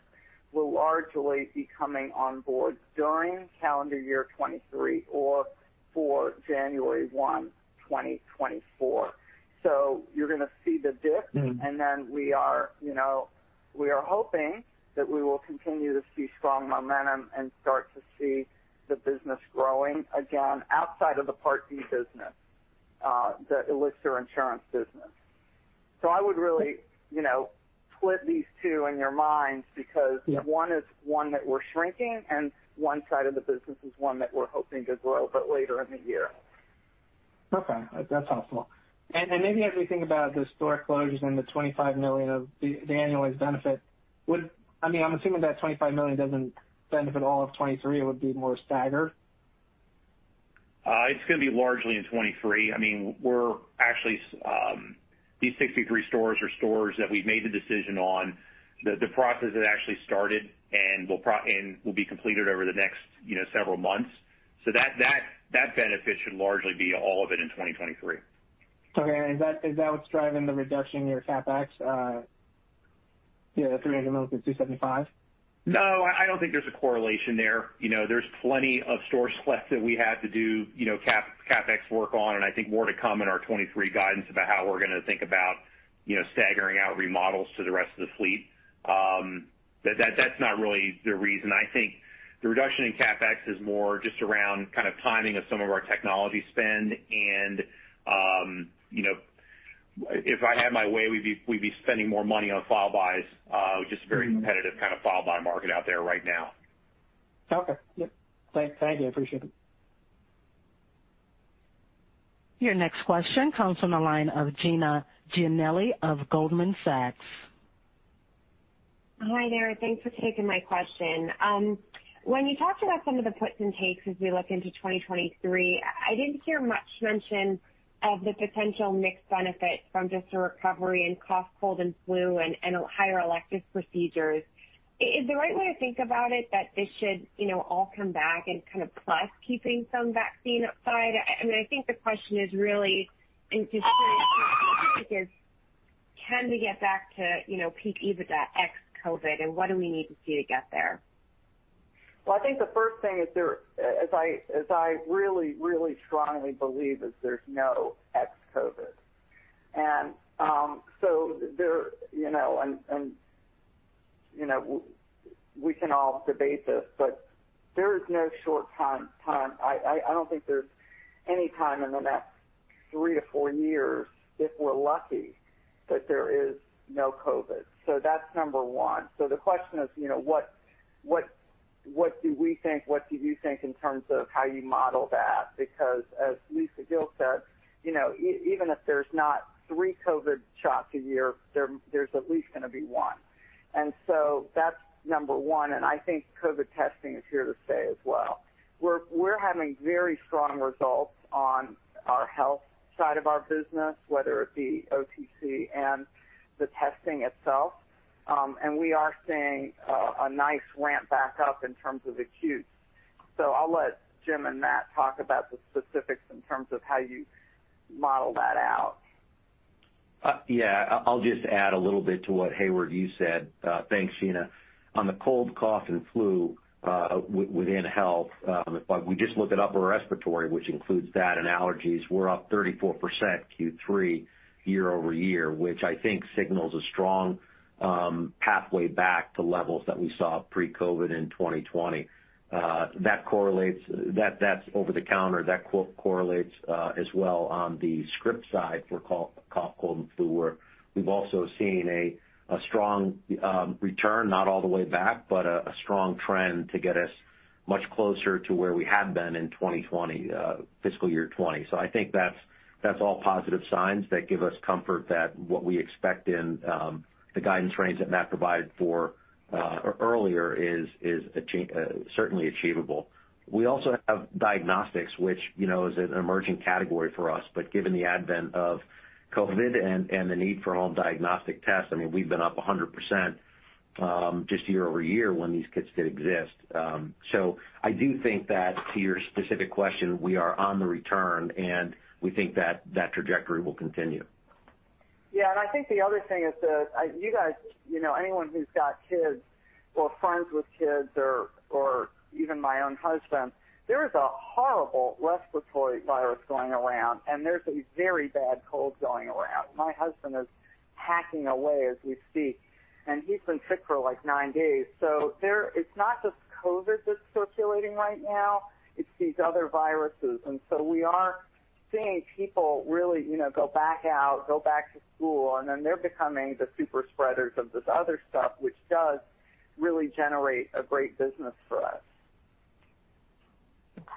will largely be coming on board during calendar year 2023 or for January 1, 2024. You're gonna see the dip. Mm-hmm. We are hoping that we will continue to see strong momentum and start to see the business growing again outside of the Part D business, the Elixir Insurance business. I would really, you know, split these two in your minds because Yeah. One is one that we're shrinking, and one side of the business is one that we're hoping to grow but later in the year. Okay. That's helpful. Maybe as we think about the store closures and the $25 million of the annualized benefit, I mean, I'm assuming that $25 million doesn't benefit all of 2023, it would be more staggered. It's gonna be largely in 2023. I mean, we're actually, these 63 stores are stores that we've made the decision on. The process had actually started and will be completed over the next, you know, several months. That benefit should largely be all of it in 2023. Okay. Is that what's driving the reduction in your CapEx? You know, $300 million-$275 million? No, I don't think there's a correlation there. You know, there's plenty of stores left that we had to do, you know, CapEx work on, and I think more to come in our 2023 guidance about how we're gonna think about, you know, staggering out remodels to the rest of the fleet. That's not really the reason. I think the reduction in CapEx is more just around kind of timing of some of our technology spend and, you know, if I had my way, we'd be spending more money on file buys, which is a very competitive kind of file buy market out there right now. Okay. Yep. Thank you. I appreciate it. Your next question comes from the line of Jenna Giannelli of Goldman Sachs. Hi there. Thanks for taking my question. When you talked about some of the puts and takes as we look into 2023, I didn't hear much mention of the potential mixed benefit from just a recovery in cough, cold, and flu and higher elective procedures. Is the right way to think about it that this should, you know, all come back and kind of plus keeping some vaccine upside? I mean, I think the question is really and just because can we get back to, you know, peak EBITDA ex COVID, and what do we need to see to get there? Well, I think the first thing is as I really strongly believe is there's no ex COVID. We can all debate this, but there is no short time. I don't think there's any time in the next 3-4 years, if we're lucky, that there is no COVID. That's number one. The question is, what do we think? What do you think in terms of how you model that? Because as Lisa Gill said, even if there's not three COVID shots a year, there's at least gonna be one. That's number one, and I think COVID testing is here to stay as well. We're having very strong results on our health side of our business, whether it be OTC and the testing itself. We are seeing a nice ramp back up in terms of acute. I'll let Jim and Matt talk about the specifics in terms of how you model that out. Yeah. I'll just add a little bit to what Heyward you said. Thanks, Jenna. On the cold, cough, and flu within health, if we just look at upper respiratory, which includes that and allergies, we're up 34% Q3 year-over-year, which I think signals a strong pathway back to levels that we saw pre-COVID in 2020. That correlates. That's over the counter. That correlates as well on the script side for cough, cold, and flu, where we've also seen a strong return, not all the way back, but a strong trend to get us much closer to where we had been in 2020, fiscal year 2020. I think that's all positive signs that give us comfort that what we expect in the guidance range that Matt provided for earlier is certainly achievable. We also have diagnostics, which, you know, is an emerging category for us. But given the advent of COVID and the need for all diagnostic tests, I mean, we've been up 100% just year-over-year when these kits did exist. I do think that to your specific question, we are on the return, and we think that trajectory will continue. Yeah. I think the other thing is that you guys, you know anyone who's got kids or friends with kids or even my own husband, there is a horrible respiratory virus going around and there's a very bad cold going around. My husband is hacking away as we speak, and he's been sick for like nine days. It's not just COVID that's circulating right now, it's these other viruses. We are seeing people really, you know, go back out, go back to school, and then they're becoming the super spreaders of this other stuff, which does really generate a great business for us.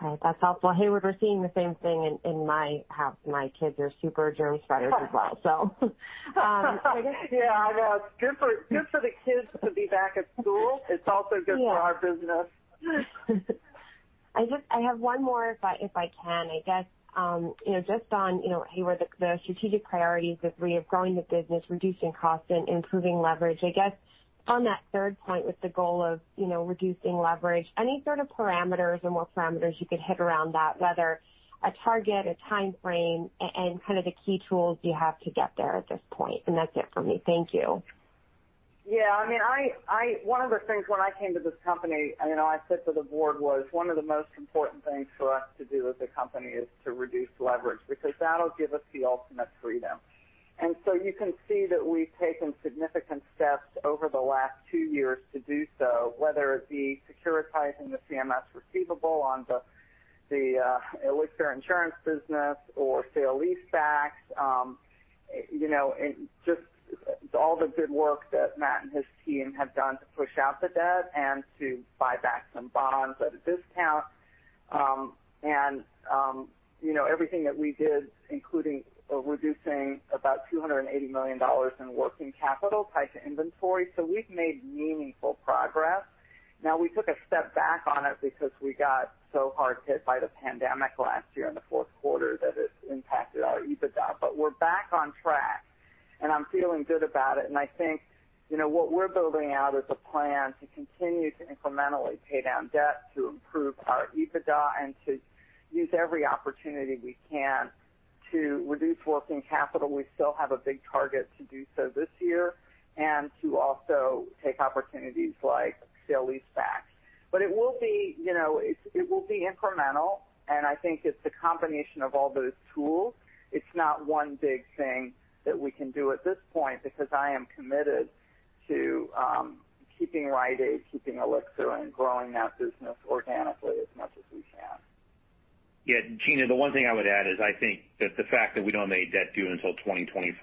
Okay, that's helpful. Heyward, we're seeing the same thing in my house. My kids are super germ spreaders as well. Yeah, I know. It's good for the kids to be back at school. It's also good for our business. I just have one more, if I can. I guess, you know, just on, you know, Heyward, the strategic priorities of regrowing the business, reducing costs and improving leverage. I guess on that third point, with the goal of, you know, reducing leverage, any sort of parameters or more parameters you could hit around that, whether a target, a timeframe, and kind of the key tools you have to get there at this point. That's it for me. Thank you. Yeah. I mean, one of the things when I came to this company, you know, I said to the board was one of the most important things for us to do as a company is to reduce leverage because that'll give us the ultimate freedom. You can see that we've taken significant steps over the last two years to do so, whether it be securitizing the CMS receivable on the Elixir Insurance business or sale-leasebacks. You know, and just all the good work that Matt and his team have done to push out the debt and to buy back some bonds at a discount. You know, everything that we did, including reducing about $280 million in working capital tied to inventory. We've made meaningful progress. Now, we took a step back on it because we got so hard hit by the pandemic last year in the fourth quarter that it impacted our EBITDA. We're back on track, and I'm feeling good about it. I think, you know, what we're building out is a plan to continue to incrementally pay down debt, to improve our EBITDA, and to use every opportunity we can to reduce working capital. We still have a big target to do so this year and to also take opportunities like sale lease backs. It will be, you know, incremental, and I think it's the combination of all those tools. It's not one big thing that we can do at this point because I am committed to keeping Rite Aid, keeping Elixir, and growing that business organically as much as we can. Yeah. Gina, the one thing I would add is I think that the fact that we don't have any debt due until 2025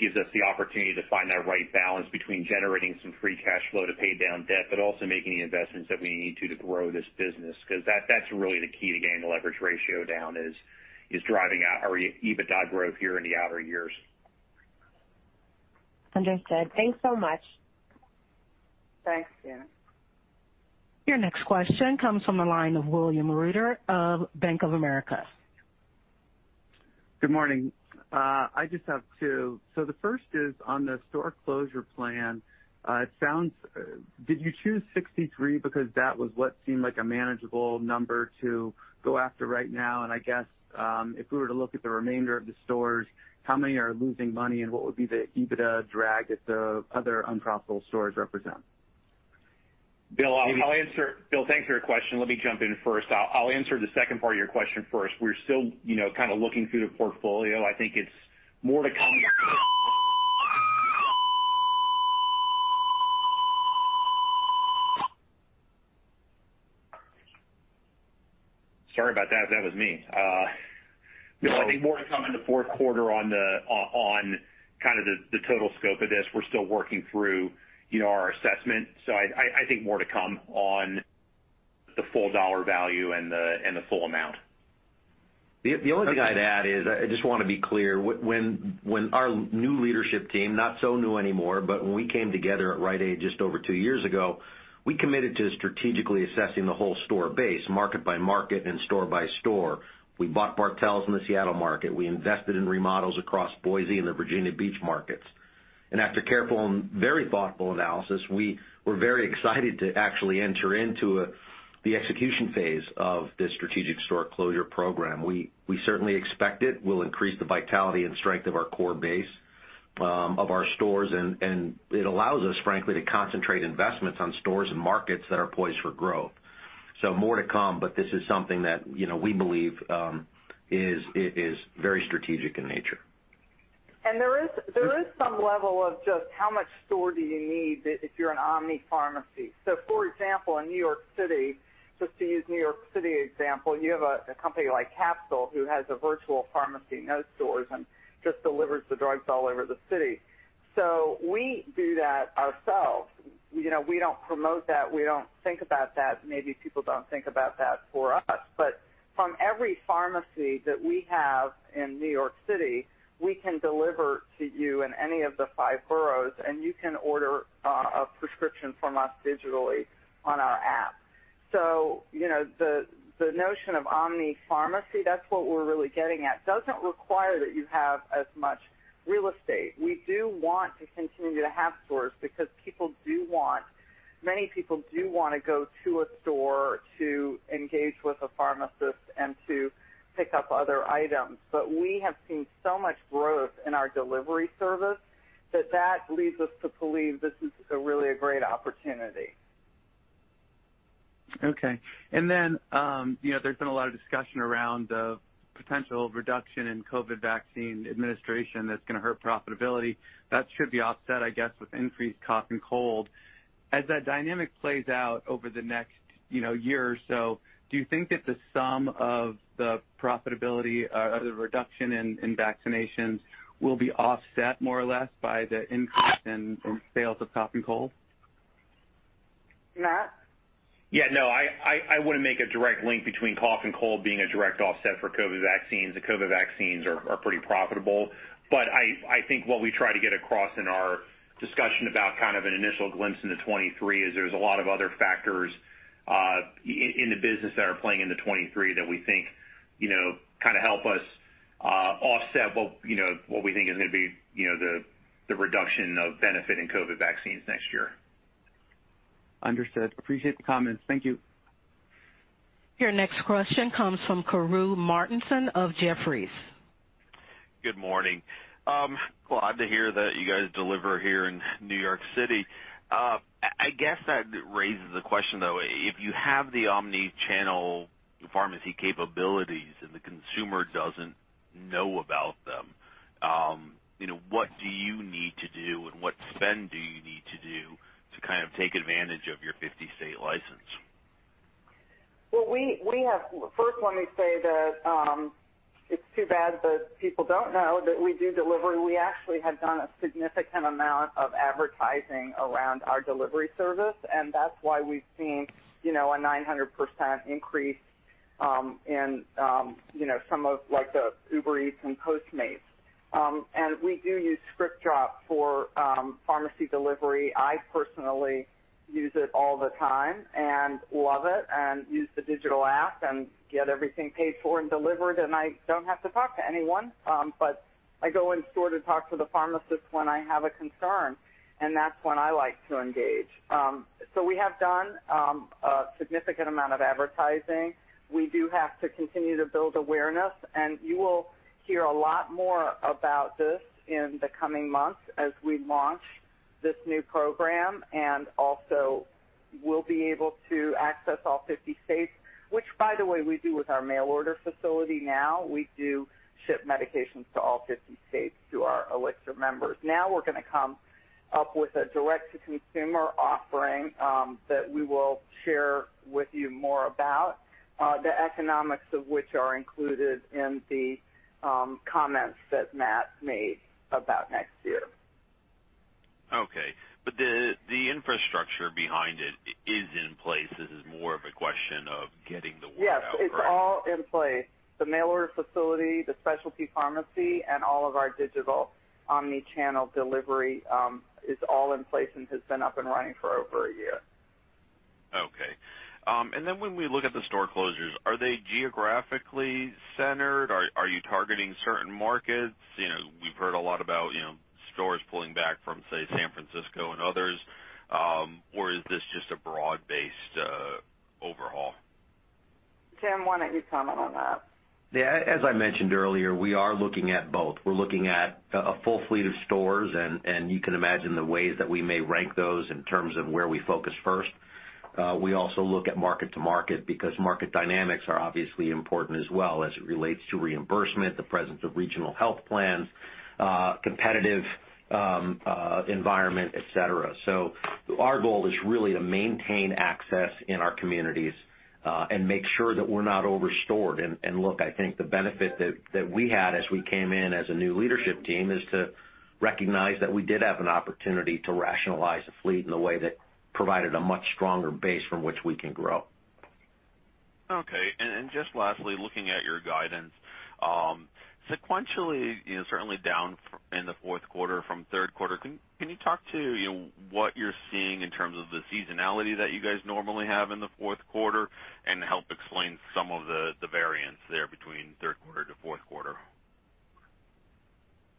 gives us the opportunity to find that right balance between generating some free cash flow to pay down debt but also making the investments that we need to grow this business 'cause that's really the key to getting the leverage ratio down is driving our EBITDA growth here in the outer years. Understood. Thanks so much. Thanks, Jenna. Your next question comes from the line of William Reuter of Bank of America. Good morning. I just have two. The first is on the store closure plan. Did you choose 63 because that was what seemed like a manageable number to go after right now? I guess, if we were to look at the remainder of the stores, how many are losing money, and what would be the EBITDA drag that the other unprofitable stores represent? Bill, I'll answer. Bill, thanks for your question. Let me jump in first. I'll answer the second part of your question first. We're still, you know, kinda looking through the portfolio. I think it's more to come. Sorry about that. That was me. Bill, I think more to come in the fourth quarter on kind of the total scope of this. We're still working through, you know, our assessment. I think more to come on the full dollar value and the full amount. The only thing I'd add is I just wanna be clear. When our new leadership team, not so new anymore, but when we came together at Rite Aid just over two years ago, we committed to strategically assessing the whole store base market by market and store by store. We bought Bartell's in the Seattle market. We invested in remodels across Boise and the Virginia Beach markets. After careful and very thoughtful analysis, we were very excited to actually enter into the execution phase of this strategic store closure program. We certainly expect it will increase the vitality and strength of our core base of our stores, and it allows us, frankly, to concentrate investments on stores and markets that are poised for growth. More to come, but this is something that, you know, we believe it is very strategic in nature. There is some level of just how much store do you need if you're an omni pharmacy. For example, in New York City, just to use New York City example, you have a company like Capsule who has a virtual pharmacy, no stores, and just delivers the drugs all over the city. We do that ourselves. You know, we don't promote that. We don't think about that. Maybe people don't think about that for us. From every pharmacy that we have in New York City, we can deliver to you in any of the five boroughs, and you can order a prescription from us digitally on our app. You know, the notion of omni pharmacy, that's what we're really getting at, doesn't require that you have as much real estate. We do want to continue to have stores because people do want, many people do wanna go to a store to engage with a pharmacist and to pick up other items. We have seen so much growth in our delivery service that that leads us to believe this is really a great opportunity. Okay. You know, there's been a lot of discussion around the potential reduction in COVID vaccine administration that's gonna hurt profitability. That should be offset, I guess, with increased cough and cold. As that dynamic plays out over the next, you know, year or so, do you think that the sum of the profitability or the reduction in vaccinations will be offset more or less by the increase in sales of cough and cold? Matt? Yeah, no. I wouldn't make a direct link between cough and cold being a direct offset for COVID vaccines. The COVID vaccines are pretty profitable. I think what we try to get across in our discussion about kind of an initial glimpse into 2023 is there's a lot of other factors in the business that are playing into 2023 that we think, you know, kinda help us offset what, you know, what we think is gonna be, you know, the reduction of benefit in COVID vaccines next year. Understood. I appreciate the comments. Thank you. Your next question comes from Karru Martinson of Jefferies. Good morning. Glad to hear that you guys deliver here in New York City. I guess that raises the question, though. If you have the omni-channel pharmacy capabilities and the consumer doesn't know about them, you know, what do you need to do and what spend do you need to do to kind of take advantage of your 50-state license? First, let me say that it's too bad that people don't know that we do delivery. We actually have done a significant amount of advertising around our delivery service, and that's why we've seen, you know, a 900% increase in, you know, some of like the Uber Eats and Postmates. We do use ScriptDrop for pharmacy delivery. I personally use it all the time and love it and use the digital app and get everything paid for and delivered, and I don't have to talk to anyone. I go in store to talk to the pharmacist when I have a concern, and that's when I like to engage. We have done a significant amount of advertising. We do have to continue to build awareness, and you will hear a lot more about this in the coming months as we launch this new program and also. We'll be able to access all 50 states, which by the way, we do with our mail order facility now. We do ship medications to all 50 states through our Elixir members. Now we're gonna come up with a direct-to-consumer offering that we will share with you more about, the economics of which are included in the comments that Matt made about next year. Okay. The infrastructure behind it is in place. This is more of a question of getting the word out, correct? Yes, it's all in place. The mail order facility, the specialty pharmacy, and all of our digital omni-channel delivery is all in place and has been up and running for over a year. Okay. When we look at the store closures, are they geographically centered? Are you targeting certain markets? You know, we've heard a lot about, you know, stores pulling back from, say, San Francisco and others. Is this just a broad-based overhaul? Jim, why don't you comment on that? Yeah, as I mentioned earlier, we are looking at both. We're looking at a full fleet of stores, and you can imagine the ways that we may rank those in terms of where we focus first. We also look at market to market because market dynamics are obviously important as well as it relates to reimbursement, the presence of regional health plans, competitive environment, et cetera. Our goal is really to maintain access in our communities, and make sure that we're not over-stored. Look, I think the benefit that we had as we came in as a new leadership team is to recognize that we did have an opportunity to rationalize the fleet in a way that provided a much stronger base from which we can grow. Okay. Just lastly, looking at your guidance, sequentially, you know, certainly down in the fourth quarter from third quarter, can you talk to, you know, what you're seeing in terms of the seasonality that you guys normally have in the fourth quarter and help explain some of the variance there between third quarter to fourth quarter?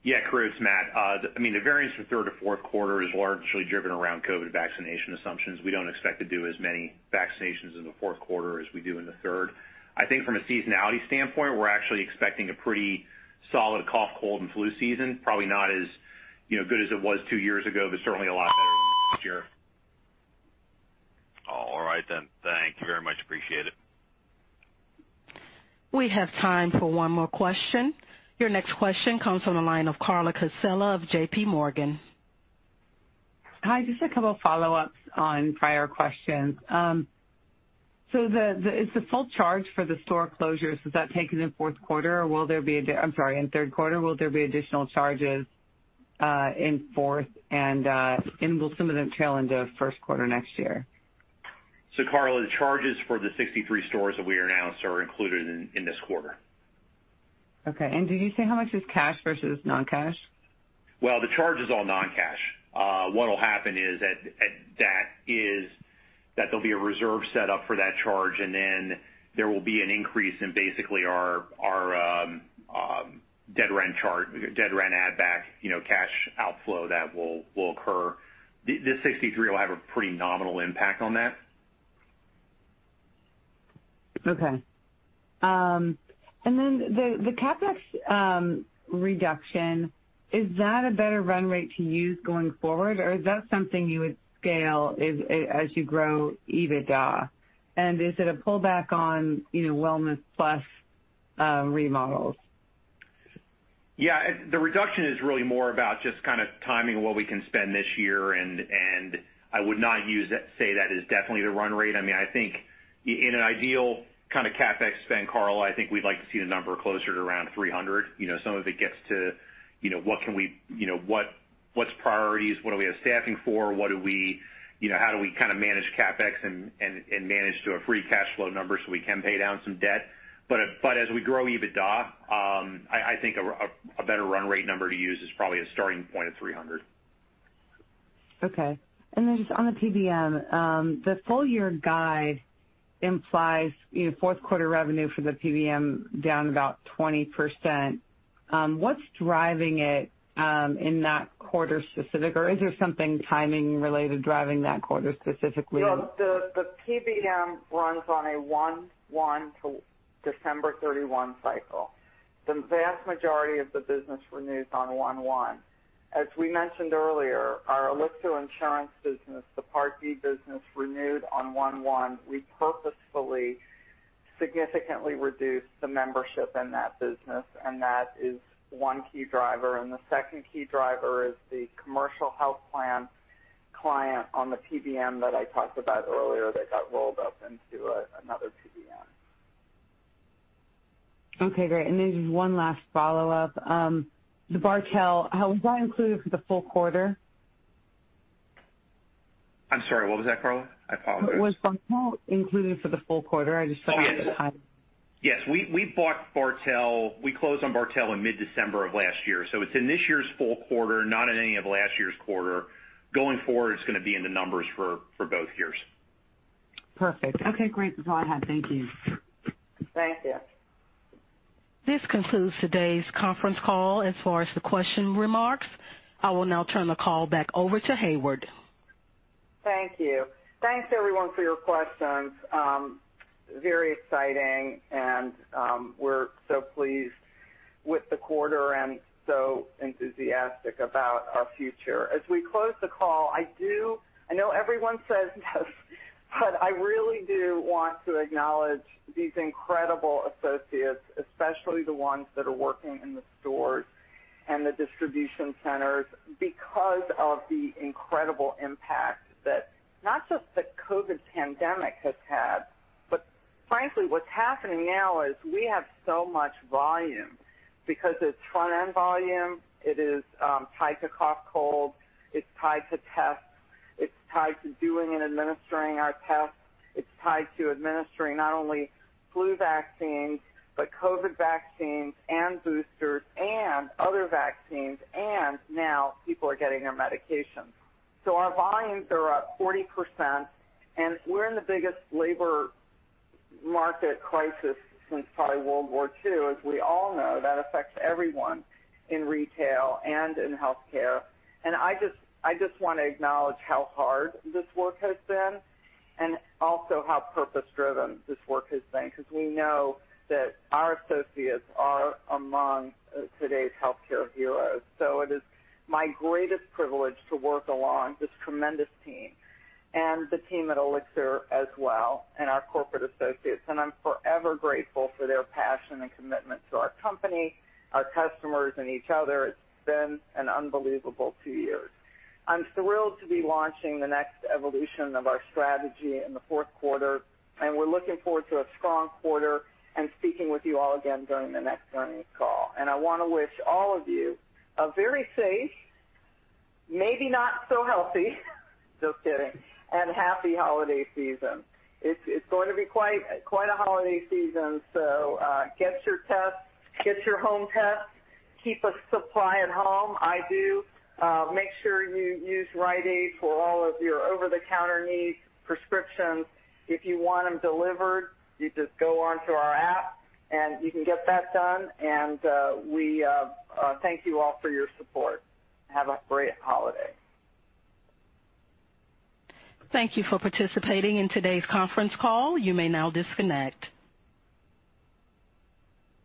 Yeah, sure it's Matt. I mean, the variance from third to fourth quarter is largely driven around COVID vaccination assumptions. We don't expect to do as many vaccinations in the fourth quarter as we do in the third. I think from a seasonality standpoint, we're actually expecting a pretty solid cough, cold and flu season. Probably not as, you know, good as it was two years ago, but certainly a lot better than last year. All right then. Thank you very much. Appreciate it. We have time for one more question. Your next question comes from the line of Carla Casella of JPMorgan. Hi, just a couple follow-ups on prior questions. Is the full charge for the store closures taken in fourth quarter, or will there be, I'm sorry, in third quarter, will there be additional charges in fourth, and will some of them trail into first quarter next year? Carla, the charges for the 63 stores that we announced are included in this quarter. Okay. Did you say how much is cash versus non-cash? Well, the charge is all non-cash. What'll happen is that there'll be a reserve set up for that charge, and then there will be an increase in basically our deferred rent add back, you know, cash outflow that will occur. The 63 will have a pretty nominal impact on that. Okay. The CapEx reduction, is that a better run rate to use going forward, or is that something you would scale as you grow EBITDA? Is it a pullback on, you know, wellness+ remodels? Yeah. The reduction is really more about just kinda timing what we can spend this year, and I would not use that, say that is definitely the run rate. I mean, I think in an ideal kinda CapEx spend, Carla, I think we'd like to see the number closer to around $300 million. You know, some of it gets to, you know, what can we, you know, what's priorities, what do we have staffing for, what do we, you know, how do we kinda manage CapEx and manage to a free cash flow number so we can pay down some debt. As we grow EBITDA, I think a better run rate number to use is probably a starting point of $300 million. Okay. Just on the PBM, the full year guide implies, you know, fourth quarter revenue for the PBM down about 20%. What's driving it, in that quarter specific? Or is there something timing related driving that quarter specifically? No, the PBM runs on a 1/1 to December 31 cycle. The vast majority of the business renews on 1/1. As we mentioned earlier, our Elixir insurance business, the Part D business, renewed on 1/1. We purposefully significantly reduced the membership in that business, and that is one key driver. The second key driver is the commercial health plan client on the PBM that I talked about earlier that got rolled up into another PBM. Okay, great. Just one last follow-up. The Bartell, was that included for the full quarter? I'm sorry, what was that, Carla? I apologize. Was Bartell included for the full quarter? I just saw. Oh, yes. We bought Bartell. We closed on Bartell in mid-December of last year. It's in this year's full quarter, not in any of last year's quarter. Going forward, it's gonna be in the numbers for both years. Perfect. Okay, great. That's all I had. Thank you. Thank you. This concludes today's conference call as far as the question remarks. I will now turn the call back over to Heyward. Thank you. Thanks everyone for your questions. Very exciting and, we're so pleased with the quarter and so enthusiastic about our future. As we close the call, I do. I know everyone says this, but I really do want to acknowledge these incredible associates, especially the ones that are working in the stores and the distribution centers because of the incredible impact that not just the COVID pandemic has had, but frankly, what's happening now is we have so much volume because it's front-end volume. It is, tied to cough, cold, it's tied to tests, it's tied to doing and administering our tests. It's tied to administering not only flu vaccines, but COVID vaccines and boosters and other vaccines, and now people are getting their medications. Our volumes are up 40% and we're in the biggest labor market crisis since probably World War II. As we all know, that affects everyone in retail and in healthcare. I just wanna acknowledge how hard this work has been and also how purpose-driven this work has been, 'cause we know that our associates are among today's healthcare heroes. It is my greatest privilege to work along this tremendous team and the team at Elixir as well, and our corporate associates. I'm forever grateful for their passion and commitment to our company, our customers, and each other. It's been an unbelievable two years. I'm thrilled to be launching the next evolution of our strategy in the fourth quarter, and we're looking forward to a strong quarter and speaking with you all again during the next earnings call. I wanna wish all of you a very safe, maybe not so healthy, just kidding, and happy holiday season. It's going to be quite a holiday season. Get your tests, get your home tests. Keep a supply at home. I do. Make sure you use Rite Aid for all of your over-the-counter needs, prescriptions. If you want them delivered, you just go onto our app and you can get that done. We thank you all for your support. Have a great holiday. Thank you for participating in today's conference call. You may now disconnect.